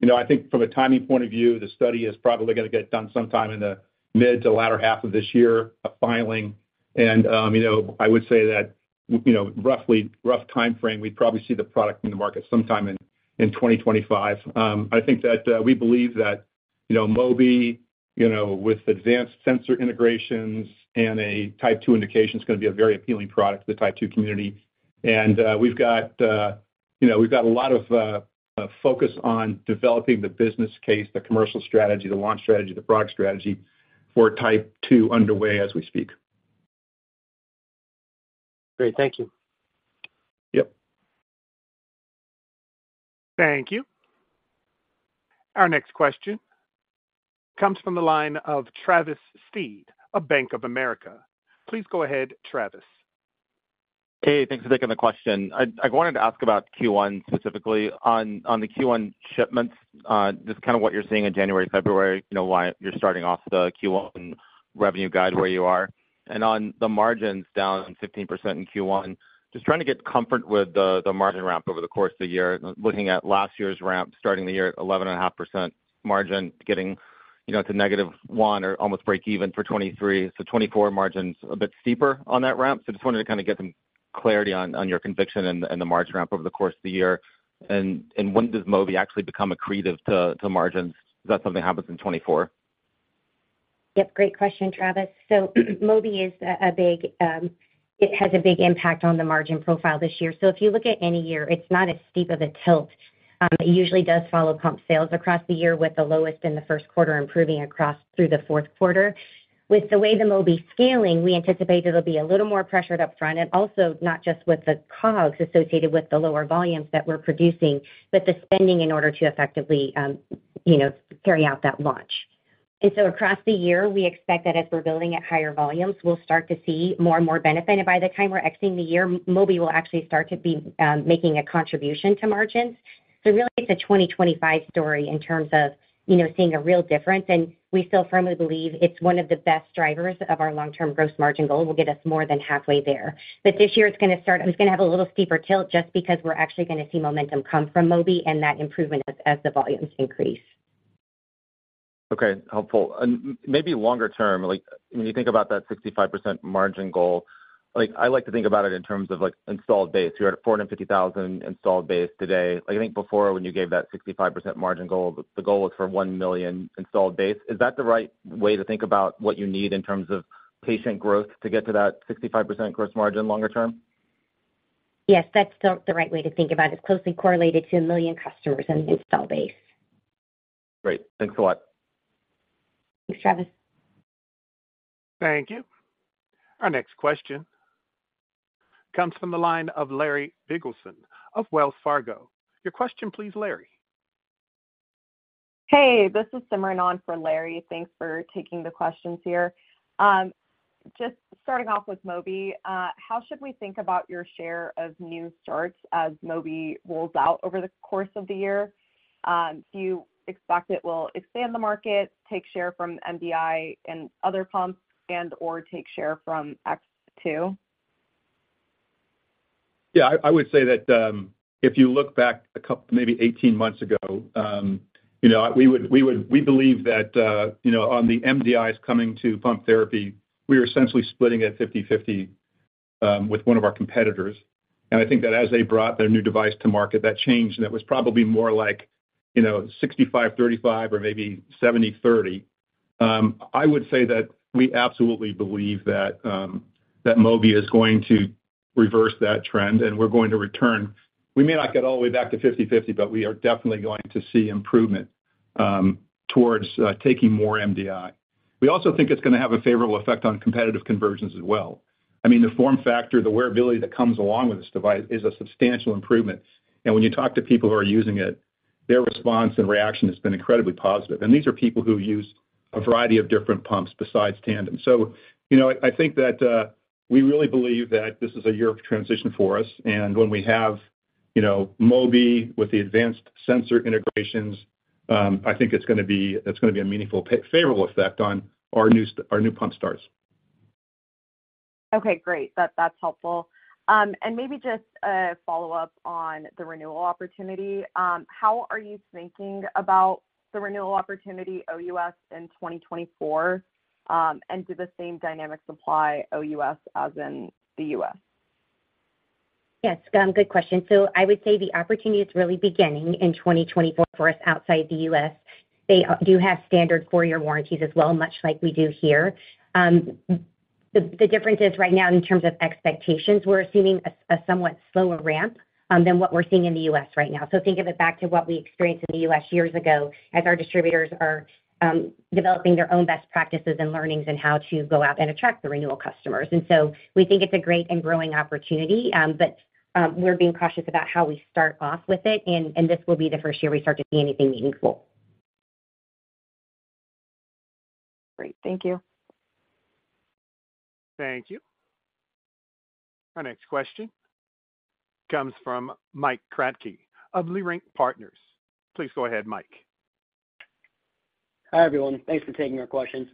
Speaker 3: I think from a timing point of view, the study is probably going to get done sometime in the mid- to latter half of this year, filing. I would say that rough timeframe, we'd probably see the product in the market sometime in 2025. I think that we believe that Mobi, with advanced sensor integrations and a Type 2 indication, is going to be a very appealing product to the Type 2 community. We've got a lot of focus on developing the business case, the commercial strategy, the launch strategy, the product strategy for Type 2 underway as we speak.
Speaker 9: Great. Thank you.
Speaker 3: Yep.
Speaker 1: Thank you. Our next question comes from the line of Travis Steed, a Bank of America. Please go ahead, Travis.
Speaker 10: Hey. Thanks for taking the question. I wanted to ask about Q1 specifically. On the Q1 shipments, just kind of what you're seeing in January, February, why you're starting off the Q1 revenue guide where you are. And on the margins down 15% in Q1, just trying to get comfort with the margin ramp over the course of the year, looking at last year's ramp starting the year at 11.5% margin, getting to negative 1% or almost break even for 2023. So 2024 margin's a bit steeper on that ramp. So just wanted to kind of get some clarity on your conviction in the margin ramp over the course of the year. And when does Mobi actually become accretive to margins? Is that something that happens in 2024?
Speaker 4: Yep. Great question, Travis. So Mobi is a big it has a big impact on the margin profile this year. So if you look at any year, it's not as steep of a tilt. It usually does follow pump sales across the year with the lowest in the first quarter improving across through the fourth quarter. With the way the Mobi's scaling, we anticipate it'll be a little more pressured upfront and also not just with the COGS associated with the lower volumes that we're producing, but the spending in order to effectively carry out that launch. And so across the year, we expect that as we're building at higher volumes, we'll start to see more and more benefit. And by the time we're exiting the year, Mobi will actually start to be making a contribution to margins. So really, it's a 2025 story in terms of seeing a real difference. And we still firmly believe it's one of the best drivers of our long-term gross margin goal. It will get us more than halfway there. But this year, it's going to have a little steeper tilt just because we're actually going to see momentum come from Mobi and that improvement as the volumes increase.
Speaker 10: Okay. Helpful. And maybe longer term, when you think about that 65% margin goal, I like to think about it in terms of installed base. You're at 450,000 installed base today. I think before when you gave that 65% margin goal, the goal was for 1,000,000 installed base. Is that the right way to think about what you need in terms of patient growth to get to that 65% gross margin longer term?
Speaker 4: Yes. That's the right way to think about it. It's closely correlated to 1 million customers in installed base.
Speaker 10: Great. Thanks a lot.
Speaker 4: Thanks, Travis.
Speaker 1: Thank you. Our next question comes from the line of Larry Biegelsen of Wells Fargo. Your question, please, Larry.
Speaker 11: Hey. This is Simran on for Larry. Thanks for taking the questions here. Just starting off with Mobi, how should we think about your share of new starts as Mobi rolls out over the course of the year? Do you expect it will expand the market, take share from MDI and other pumps, and/or take share from X2?
Speaker 3: Yeah. I would say that if you look back maybe 18 months ago, we believe that on the MDIs coming to pump therapy, we were essentially splitting it 50/50 with one of our competitors. And I think that as they brought their new device to market, that changed, and it was probably more like 65/35 or maybe 70/30. I would say that we absolutely believe that Mobi is going to reverse that trend, and we're going to return. We may not get all the way back to 50/50, but we are definitely going to see improvement towards taking more MDI. We also think it's going to have a favorable effect on competitive conversions as well. I mean, the form factor, the wearability that comes along with this device is a substantial improvement. And when you talk to people who are using it, their response and reaction has been incredibly positive. These are people who use a variety of different pumps besides Tandem. So I think that we really believe that this is a year of transition for us. When we have Mobi with the advanced sensor integrations, I think it's going to be a meaningful, favorable effect on our new pump starts.
Speaker 11: Okay. Great. That's helpful. And maybe just a follow-up on the renewal opportunity. How are you thinking about the renewal opportunity OUS in 2024? And do the same dynamics apply OUS as in the U.S.?
Speaker 4: Yes. Good question. So I would say the opportunity is really beginning in 2024 for us outside the U.S. They do have standard four-year warranties as well, much like we do here. The difference is right now in terms of expectations, we're assuming a somewhat slower ramp than what we're seeing in the U.S. right now. So think of it back to what we experienced in the U.S. years ago as our distributors are developing their own best practices and learnings in how to go out and attract the renewal customers. And so we think it's a great and growing opportunity, but we're being cautious about how we start off with it. And this will be the first year we start to see anything meaningful.
Speaker 11: Great. Thank you.
Speaker 1: Thank you. Our next question comes from Mike Kratky of Leerink Partners. Please go ahead, Mike.
Speaker 12: Hi, everyone. Thanks for taking our questions.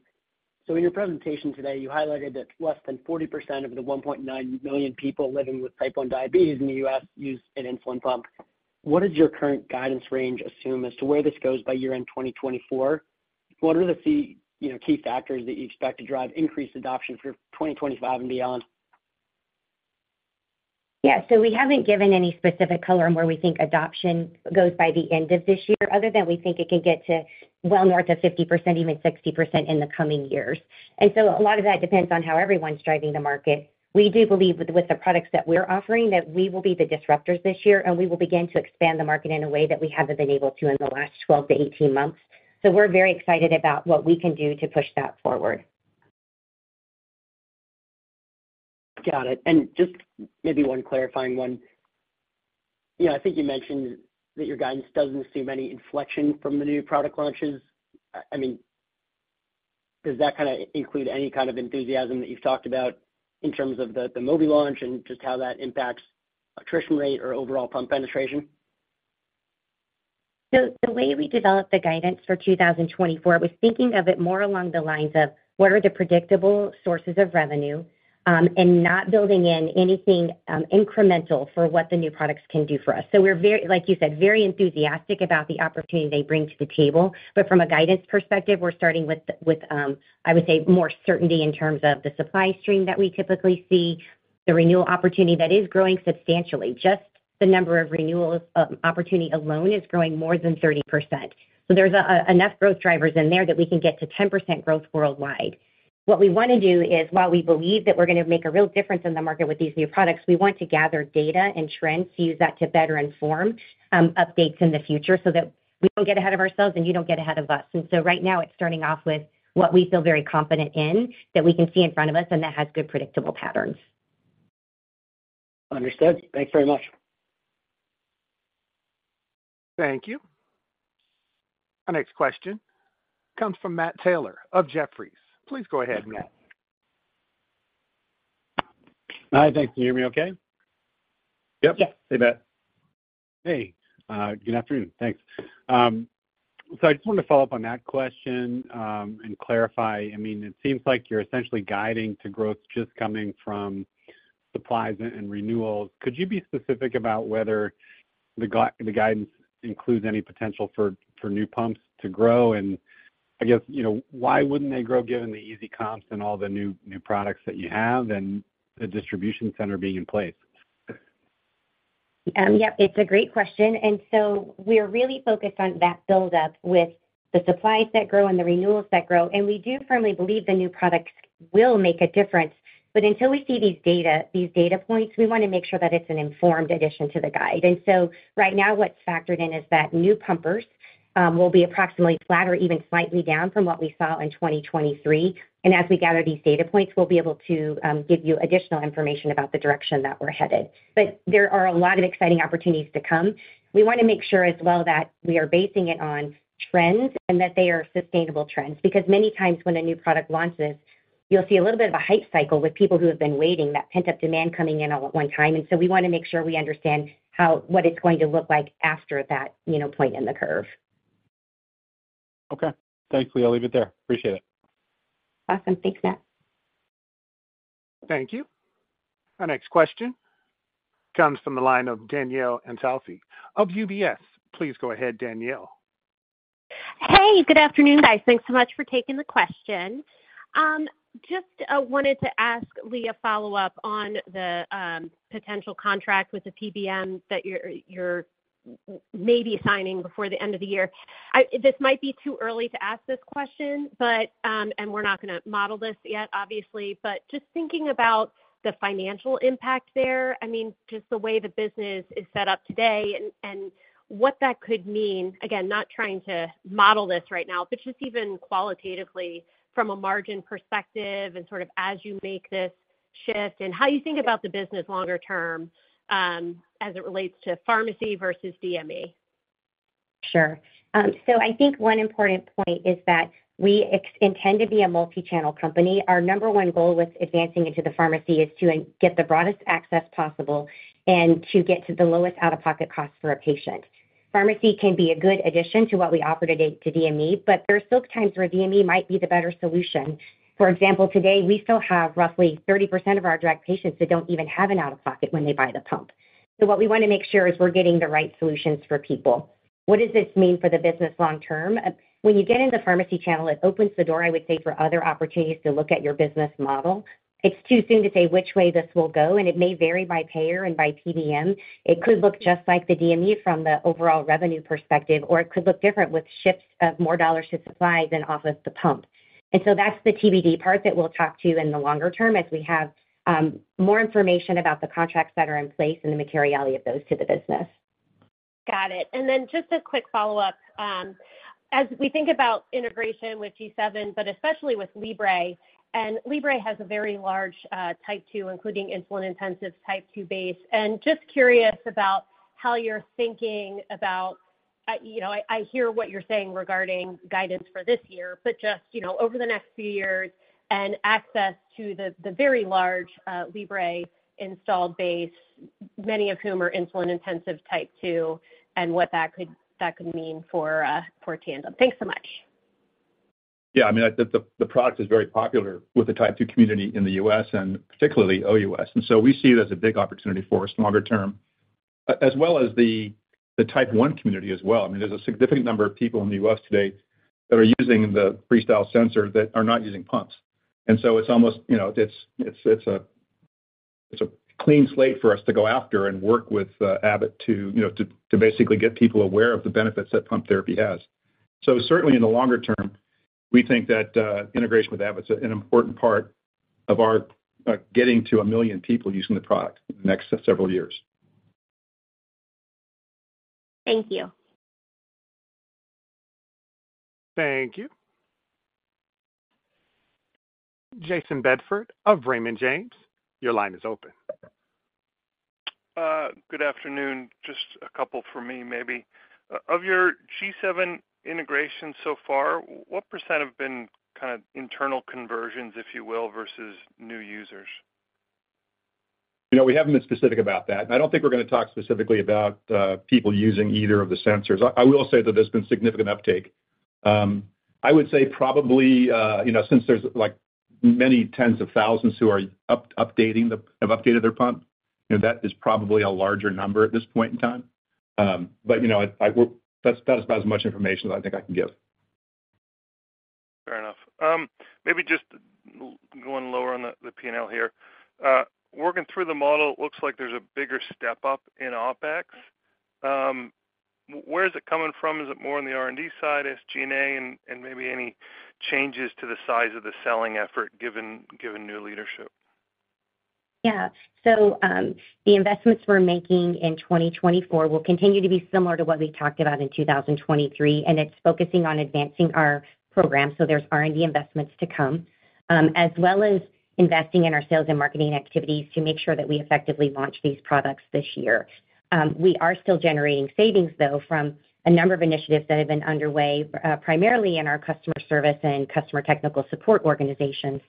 Speaker 12: So in your presentation today, you highlighted that less than 40% of the 1.9 million people living with Type 1 diabetes in the U.S. use an insulin pump. What does your current guidance range assume as to where this goes by year-end 2024? What are the key factors that you expect to drive increased adoption for 2025 and beyond?
Speaker 4: Yeah. So we haven't given any specific color on where we think adoption goes by the end of this year other than we think it can get well north of 50%, even 60% in the coming years. So a lot of that depends on how everyone's driving the market. We do believe with the products that we're offering that we will be the disruptors this year, and we will begin to expand the market in a way that we haven't been able to in the last 12-18 months. So we're very excited about what we can do to push that forward.
Speaker 12: Got it. And just maybe one clarifying one. I think you mentioned that your guidance doesn't assume any inflection from the new product launches. I mean, does that kind of include any kind of enthusiasm that you've talked about in terms of the Mobi launch and just how that impacts attrition rate or overall pump penetration?
Speaker 4: So the way we developed the guidance for 2024, it was thinking of it more along the lines of what are the predictable sources of revenue and not building in anything incremental for what the new products can do for us. So we're, like you said, very enthusiastic about the opportunity they bring to the table. But from a guidance perspective, we're starting with, I would say, more certainty in terms of the supply stream that we typically see, the renewal opportunity that is growing substantially. Just the number of renewals opportunity alone is growing more than 30%. So there's enough growth drivers in there that we can get to 10% growth worldwide. What we want to do is while we believe that we're going to make a real difference in the market with these new products, we want to gather data and trends, use that to better inform updates in the future so that we don't get ahead of ourselves and you don't get ahead of us. So right now, it's starting off with what we feel very confident in that we can see in front of us and that has good predictable patterns.
Speaker 12: Understood. Thanks very much.
Speaker 1: Thank you. Our next question comes from Matt Taylor of Jefferies. Please go ahead, Matt.
Speaker 13: Hi. Thanks. Can you hear me okay?
Speaker 3: Yep.
Speaker 4: Yes.
Speaker 3: Hey, Matt.
Speaker 13: Hey. Good afternoon. Thanks. So I just wanted to follow-up on that question and clarify. I mean, it seems like you're essentially guiding to growth just coming from supplies and renewals. Could you be specific about whether the guidance includes any potential for new pumps to grow? And I guess, why wouldn't they grow given the easy comps and all the new products that you have and the distribution center being in place?
Speaker 4: Yep. It's a great question. And so we're really focused on that buildup with the supplies that grow and the renewals that grow. And we do firmly believe the new products will make a difference. But until we see these data points, we want to make sure that it's an informed addition to the guide. And so right now, what's factored in is that new pumpers will be approximately flat or even slightly down from what we saw in 2023. And as we gather these data points, we'll be able to give you additional information about the direction that we're headed. But there are a lot of exciting opportunities to come. We want to make sure as well that we are basing it on trends and that they are sustainable trends because many times when a new product launches, you'll see a little bit of a hype cycle with people who have been waiting, that pent-up demand coming in all at one time. And so we want to make sure we understand what it's going to look like after that point in the curve.
Speaker 13: Okay. Thankfully, I'll leave it there. Appreciate it.
Speaker 4: Awesome. Thanks, Matt.
Speaker 1: Thank you. Our next question comes from the line of Danielle Antalffy of UBS. Please go ahead, Danielle.
Speaker 14: Hey. Good afternoon, guys. Thanks so much for taking the question. Just wanted to ask Leigh a follow-up on the potential contract with the PBM that you're maybe signing before the end of the year. This might be too early to ask this question, and we're not going to model this yet, obviously. But just thinking about the financial impact there, I mean, just the way the business is set up today and what that could mean again, not trying to model this right now, but just even qualitatively from a margin perspective and sort of as you make this shift and how you think about the business longer term as it relates to pharmacy versus DME.
Speaker 4: Sure. So I think one important point is that we intend to be a multi-channel company. Our number one goal with advancing into the pharmacy is to get the broadest access possible and to get to the lowest out-of-pocket cost for a patient. Pharmacy can be a good addition to what we offer today to DME, but there are still times where DME might be the better solution. For example, today, we still have roughly 30% of our direct patients that don't even have an out-of-pocket when they buy the pump. So what we want to make sure is we're getting the right solutions for people. What does this mean for the business long-term? When you get in the pharmacy channel, it opens the door, I would say, for other opportunities to look at your business model. It's too soon to say which way this will go, and it may vary by payer and by PBM. It could look just like the DME from the overall revenue perspective, or it could look different with shifts of more dollars to supplies and off of the pump. And so that's the TBD part that we'll talk to in the longer term as we have more information about the contracts that are in place and the materiality of those to the business.
Speaker 14: Got it. Then just a quick follow-up. As we think about integration with G7, but especially with Libre, and Libre has a very large Type 2, including insulin-intensive Type 2 base. Just curious about how you're thinking about. I hear what you're saying regarding guidance for this year, but just over the next few years and access to the very large Libre installed base, many of whom are insulin-intensive Type 2, and what that could mean for Tandem. Thanks so much.
Speaker 3: Yeah. I mean, the product is very popular with the Type 2 community in the U.S. and particularly OUS. And so we see it as a big opportunity for us longer term as well as the Type 1 community as well. I mean, there's a significant number of people in the U.S. today that are using the FreeStyle sensor that are not using pumps. And so it's almost a clean slate for us to go after and work with Abbott to basically get people aware of the benefits that pump therapy has. So certainly, in the longer term, we think that integration with Abbott is an important part of our getting to 1 million people using the product in the next several years.
Speaker 14: Thank you.
Speaker 1: Thank you. Jayson Bedford of Raymond James, your line is open.
Speaker 15: Good afternoon. Just a couple for me maybe. Of your G7 integration so far, what % have been kind of internal conversions, if you will, versus new users?
Speaker 3: We haven't been specific about that. I don't think we're going to talk specifically about people using either of the sensors. I will say that there's been significant uptake. I would say probably since there's many tens of thousands who have updated their pump, that is probably a larger number at this point in time. That's about as much information as I think I can give.
Speaker 15: Fair enough. Maybe just going lower on the P&L here. Working through the model, it looks like there's a bigger step up in OpEx. Where is it coming from? Is it more on the R&D side, SG&A, and maybe any changes to the size of the selling effort given new leadership?
Speaker 4: Yeah. The investments we're making in 2024 will continue to be similar to what we talked about in 2023. It's focusing on advancing our program. There's R&D investments to come as well as investing in our sales and marketing activities to make sure that we effectively launch these products this year. We are still generating savings, though, from a number of initiatives that have been underway primarily in our customer service and customer technical support organizations.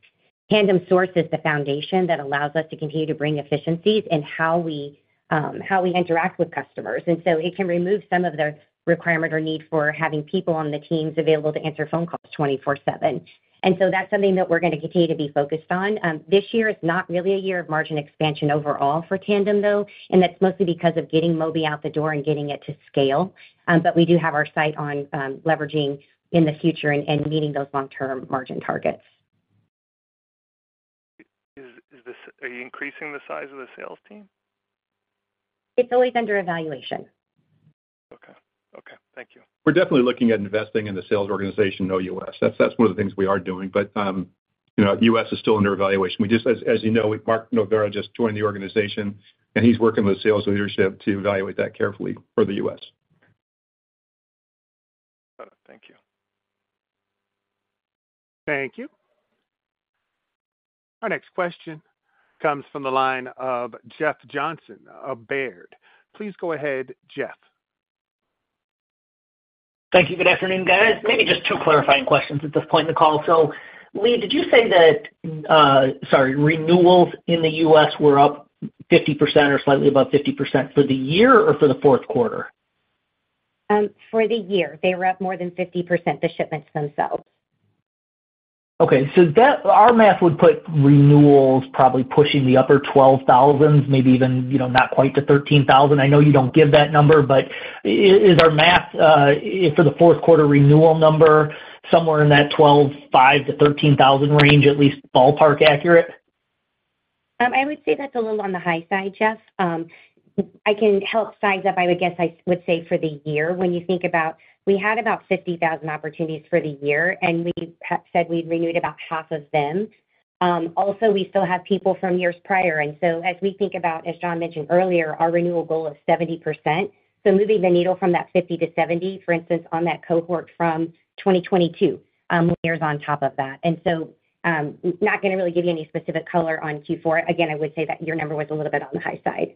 Speaker 4: Tandem Source is the foundation that allows us to continue to bring efficiencies in how we interact with customers. It can remove some of the requirement or need for having people on the teams available to answer phone calls 24/7. That's something that we're going to continue to be focused on. This year is not really a year of margin expansion overall for Tandem, though, and that's mostly because of getting Mobi out the door and getting it to scale. But we do have our sight on leveraging in the future and meeting those long-term margin targets.
Speaker 15: Are you increasing the size of the sales team?
Speaker 4: It's always under evaluation.
Speaker 15: Okay. Okay. Thank you.
Speaker 3: We're definitely looking at investing in the sales organization in OUS. That's one of the things we are doing. But U.S. is still under evaluation. As you know, Mark Novara just joined the organization, and he's working with sales leadership to evaluate that carefully for the U.S.
Speaker 15: Got it. Thank you.
Speaker 1: Thank you. Our next question comes from the line of Jeff Johnson of Baird. Please go ahead, Jeff.
Speaker 16: Thank you. Good afternoon, guys. Maybe just two clarifying questions at this point in the call. Leigh, did you say that sorry, renewals in the U.S. were up 50% or slightly above 50% for the year or for the fourth quarter?
Speaker 4: For the year, they were up more than 50%, the shipments themselves.
Speaker 16: Okay. So our math would put renewals probably pushing the upper 12,000s, maybe even not quite to 13,000. I know you don't give that number, but is our math for the fourth quarter renewal number somewhere in that 12,500-13,000 range, at least ballpark accurate?
Speaker 4: I would say that's a little on the high side, Jeff. I can help size up, I would guess, I would say for the year when you think about we had about 50,000 opportunities for the year, and we said we'd renewed about half of them. Also, we still have people from years prior. And so as we think about, as John mentioned earlier, our renewal goal is 70%. So moving the needle from that 50%-70%, for instance, on that cohort from 2022, layers on top of that. And so not going to really give you any specific color on Q4. Again, I would say that your number was a little bit on the high side.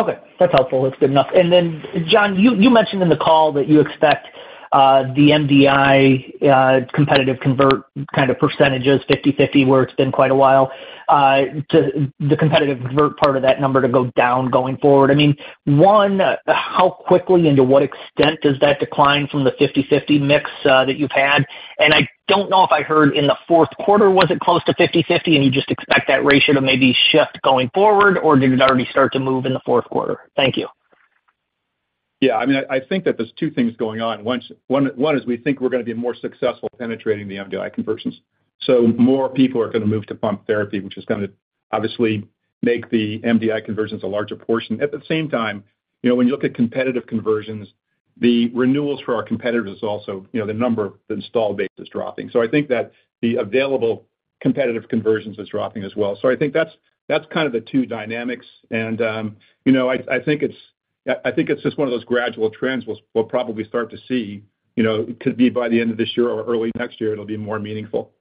Speaker 16: Okay. That's helpful. That's good enough. And then, John, you mentioned in the call that you expect the MDI competitive convert kind of percentages, 50/50 where it's been quite a while, the competitive convert part of that number to go down going forward. I mean, one, how quickly and to what extent does that decline from the 50/50 mix that you've had? And I don't know if I heard in the fourth quarter, was it close to 50/50, and you just expect that ratio to maybe shift going forward, or did it already start to move in the fourth quarter? Thank you.
Speaker 3: Yeah. I mean, I think that there's two things going on. One is we think we're going to be more successful penetrating the MDI conversions. So more people are going to move to pump therapy, which is going to obviously make the MDI conversions a larger portion. At the same time, when you look at competitive conversions, the renewals for our competitors also, the number of the installed base is dropping. So I think that the available competitive conversions is dropping as well. So I think that's kind of the two dynamics. And I think it's just one of those gradual trends we'll probably start to see. It could be by the end of this year or early next year, it'll be more meaningful.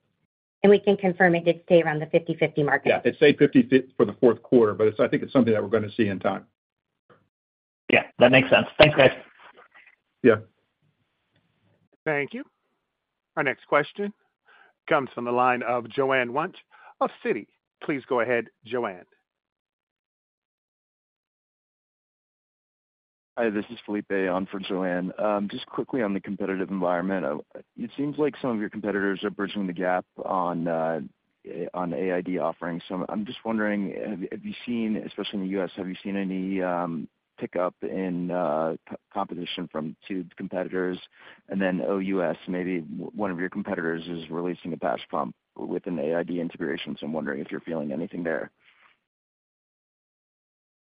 Speaker 4: We can confirm it did stay around the 50/50 market.
Speaker 3: Yeah. It stayed 50 for the fourth quarter, but I think it's something that we're going to see in time.
Speaker 16: Yeah. That makes sense. Thanks, guys.
Speaker 3: Yeah.
Speaker 1: Thank you. Our next question comes from the line of Joanne Wuensch of Citi. Please go ahead, Joanne.
Speaker 17: Hi. This is Felipe on for Joanne. Just quickly on the competitive environment, it seems like some of your competitors are bridging the gap on AID offerings. So I'm just wondering, have you seen, especially in the U.S., have you seen any pickup in competition from tube competitors? And then OUS, maybe one of your competitors is releasing a patch pump with an AID integration. So I'm wondering if you're feeling anything there.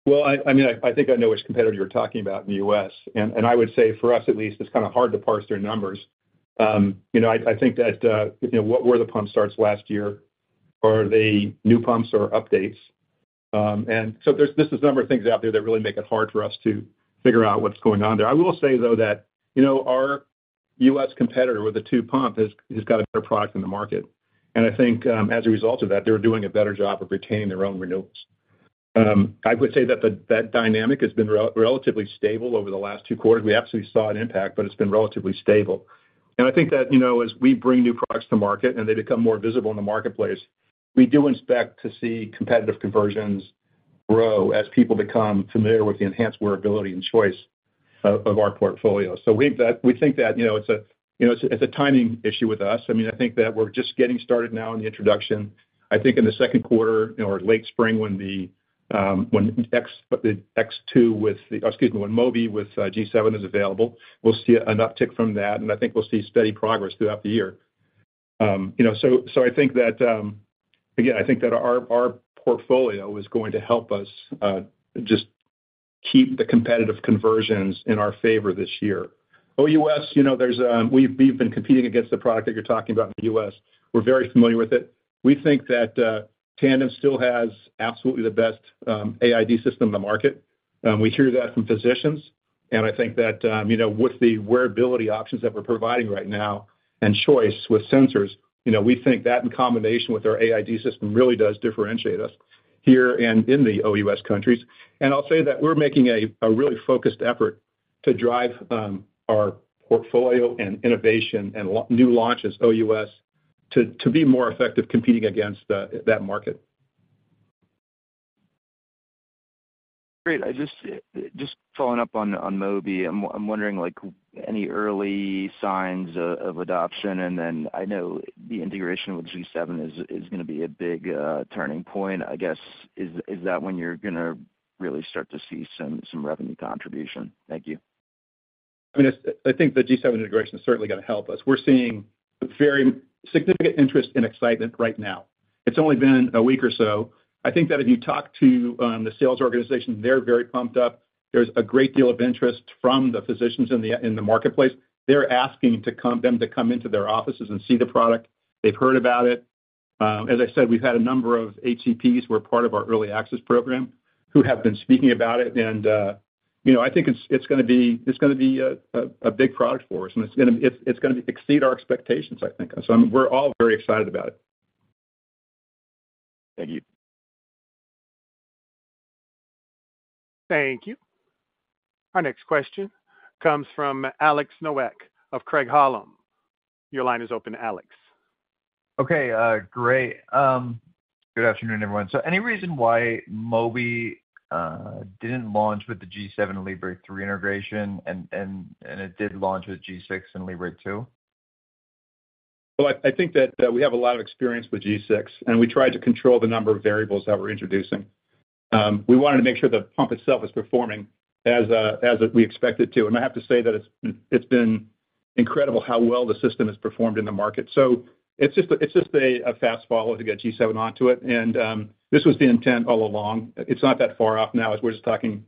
Speaker 3: Well, I mean, I think I know which competitor you're talking about in the U.S. And I would say for us at least, it's kind of hard to parse their numbers. I think that what were the pump starts last year? Are they new pumps or updates? And so there's just a number of things out there that really make it hard for us to figure out what's going on there. I will say, though, that our U.S. competitor with the tube pump has got a better product in the market. And I think as a result of that, they're doing a better job of retaining their own renewals. I would say that that dynamic has been relatively stable over the last two quarters. We absolutely saw an impact, but it's been relatively stable. I think that as we bring new products to market and they become more visible in the marketplace, we do expect to see competitive conversions grow as people become familiar with the enhanced wearability and choice of our portfolio. So we think that it's a timing issue with us. I mean, I think that we're just getting started now in the introduction. I think in the second quarter or late spring when the X2 with the excuse me, when Mobi with G7 is available, we'll see an uptick from that. And I think we'll see steady progress throughout the year. So I think that again, I think that our portfolio is going to help us just keep the competitive conversions in our favor this year. OUS, we've been competing against the product that you're talking about in the U.S. We're very familiar with it. We think that Tandem still has absolutely the best AID system in the market. We hear that from physicians. And I think that with the wearability options that we're providing right now and choice with sensors, we think that in combination with our AID system really does differentiate us here and in the OUS countries. And I'll say that we're making a really focused effort to drive our portfolio and innovation and new launches, OUS, to be more effective competing against that market.
Speaker 17: Great. Just following-up on Mobi, I'm wondering any early signs of adoption? And then I know the integration with G7 is going to be a big turning point, I guess. Is that when you're going to really start to see some revenue contribution? Thank you.
Speaker 3: I mean, I think the G7 integration is certainly going to help us. We're seeing very significant interest and excitement right now. It's only been a week or so. I think that if you talk to the sales organization, they're very pumped up. There's a great deal of interest from the physicians in the marketplace. They're asking them to come into their offices and see the product. They've heard about it. As I said, we've had a number of HCPs who are part of our early access program who have been speaking about it. And I think it's going to be it's going to be a big product for us. And it's going to exceed our expectations, I think. So we're all very excited about it.
Speaker 17: Thank you.
Speaker 1: Thank you. Our next question comes from Alex Nowak of Craig-Hallum. Your line is open, Alex.
Speaker 18: Okay. Great. Good afternoon, everyone. So any reason why Mobi didn't launch with the G7 and Libre 3 integration, and it did launch with G6 and Libre 2?
Speaker 3: Well, I think that we have a lot of experience with G6, and we tried to control the number of variables that we're introducing. We wanted to make sure the pump itself was performing as we expected it to. I have to say that it's been incredible how well the system has performed in the market. It's just a fast follow to get G7 onto it. This was the intent all along. It's not that far off now as we're just talking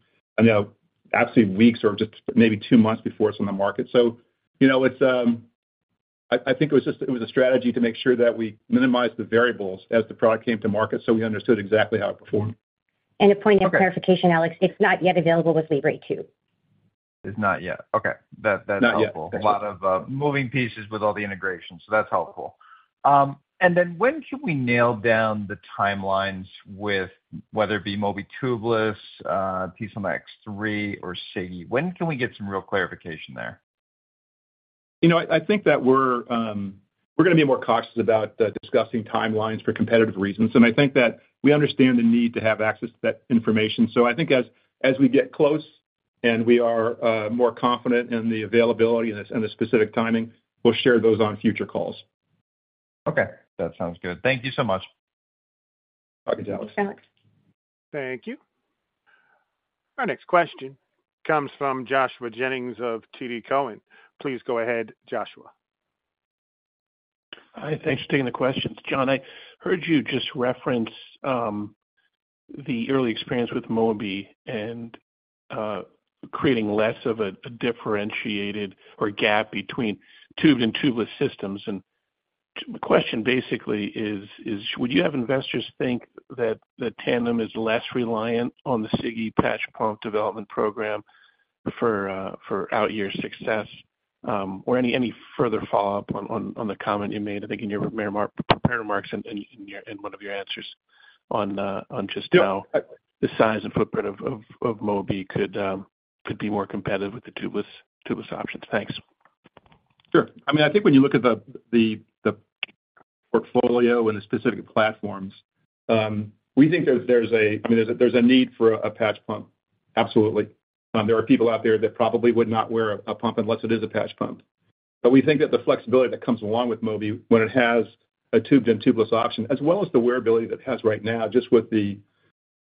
Speaker 3: absolutely weeks or just maybe two months before it's on the market. I think it was just a strategy to make sure that we minimized the variables as the product came to market so we understood exactly how it performed.
Speaker 4: A point of clarification, Alex, it's not yet available with Libre 2.
Speaker 18: It's not yet. Okay. That's helpful. A lot of moving pieces with all the integrations. So that's helpful. And then when can we nail down the timelines with whether it be Mobi tubeless, X3, or Sigi? When can we get some real clarification there?
Speaker 3: I think that we're going to be more cautious about discussing timelines for competitive reasons. I think that we understand the need to have access to that information. I think as we get close and we are more confident in the availability and the specific timing, we'll share those on future calls.
Speaker 18: Okay. That sounds good. Thank you so much.
Speaker 3: Thank you, Alex.
Speaker 4: Thanks, Alex.
Speaker 1: Thank you. Our next question comes from Joshua Jennings of TD Cowen. Please go ahead, Joshua.
Speaker 19: Thanks for taking the questions. John, I heard you just reference the early experience with Mobi and creating less of a differentiated or gap between tubed and tubeless systems. The question basically is, would you have investors think that Tandem is less reliant on the Sigi patch pump development program for out-year success? Or any further follow-up on the comment you made? I think in your preparatory remarks and one of your answers on just how the size and footprint of Mobi could be more competitive with the tubeless options. Thanks.
Speaker 3: Sure. I mean, I think when you look at the portfolio and the specific platforms, we think there's a. I mean, there's a need for a patch pump. Absolutely. There are people out there that probably would not wear a pump unless it is a patch pump. But we think that the flexibility that comes along with Mobi when it has a tubed and tubeless option, as well as the wearability that it has right now just with the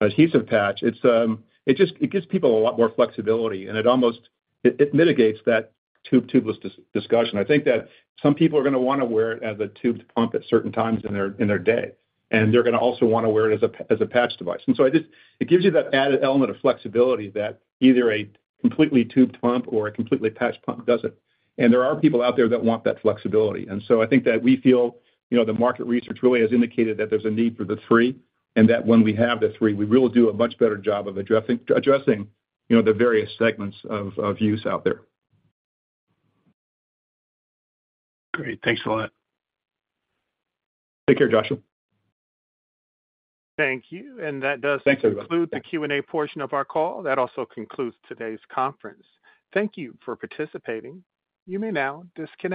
Speaker 3: adhesive patch, it gives people a lot more flexibility, and it mitigates that tubed-tubeless discussion. I think that some people are going to want to wear it as a tubed pump at certain times in their day, and they're going to also want to wear it as a patch device. And so it gives you that added element of flexibility that either a completely tubed pump or a completely patch pump doesn't. And there are people out there that want that flexibility. And so I think that we feel the market research really has indicated that there's a need for the three and that when we have the three, we will do a much better job of addressing the various segments of use out there.
Speaker 19: Great. Thanks a lot.
Speaker 3: Take care, Joshua.
Speaker 1: Thank you. And that does conclude the Q&A portion of our call. That also concludes today's conference. Thank you for participating. You may now disconnect.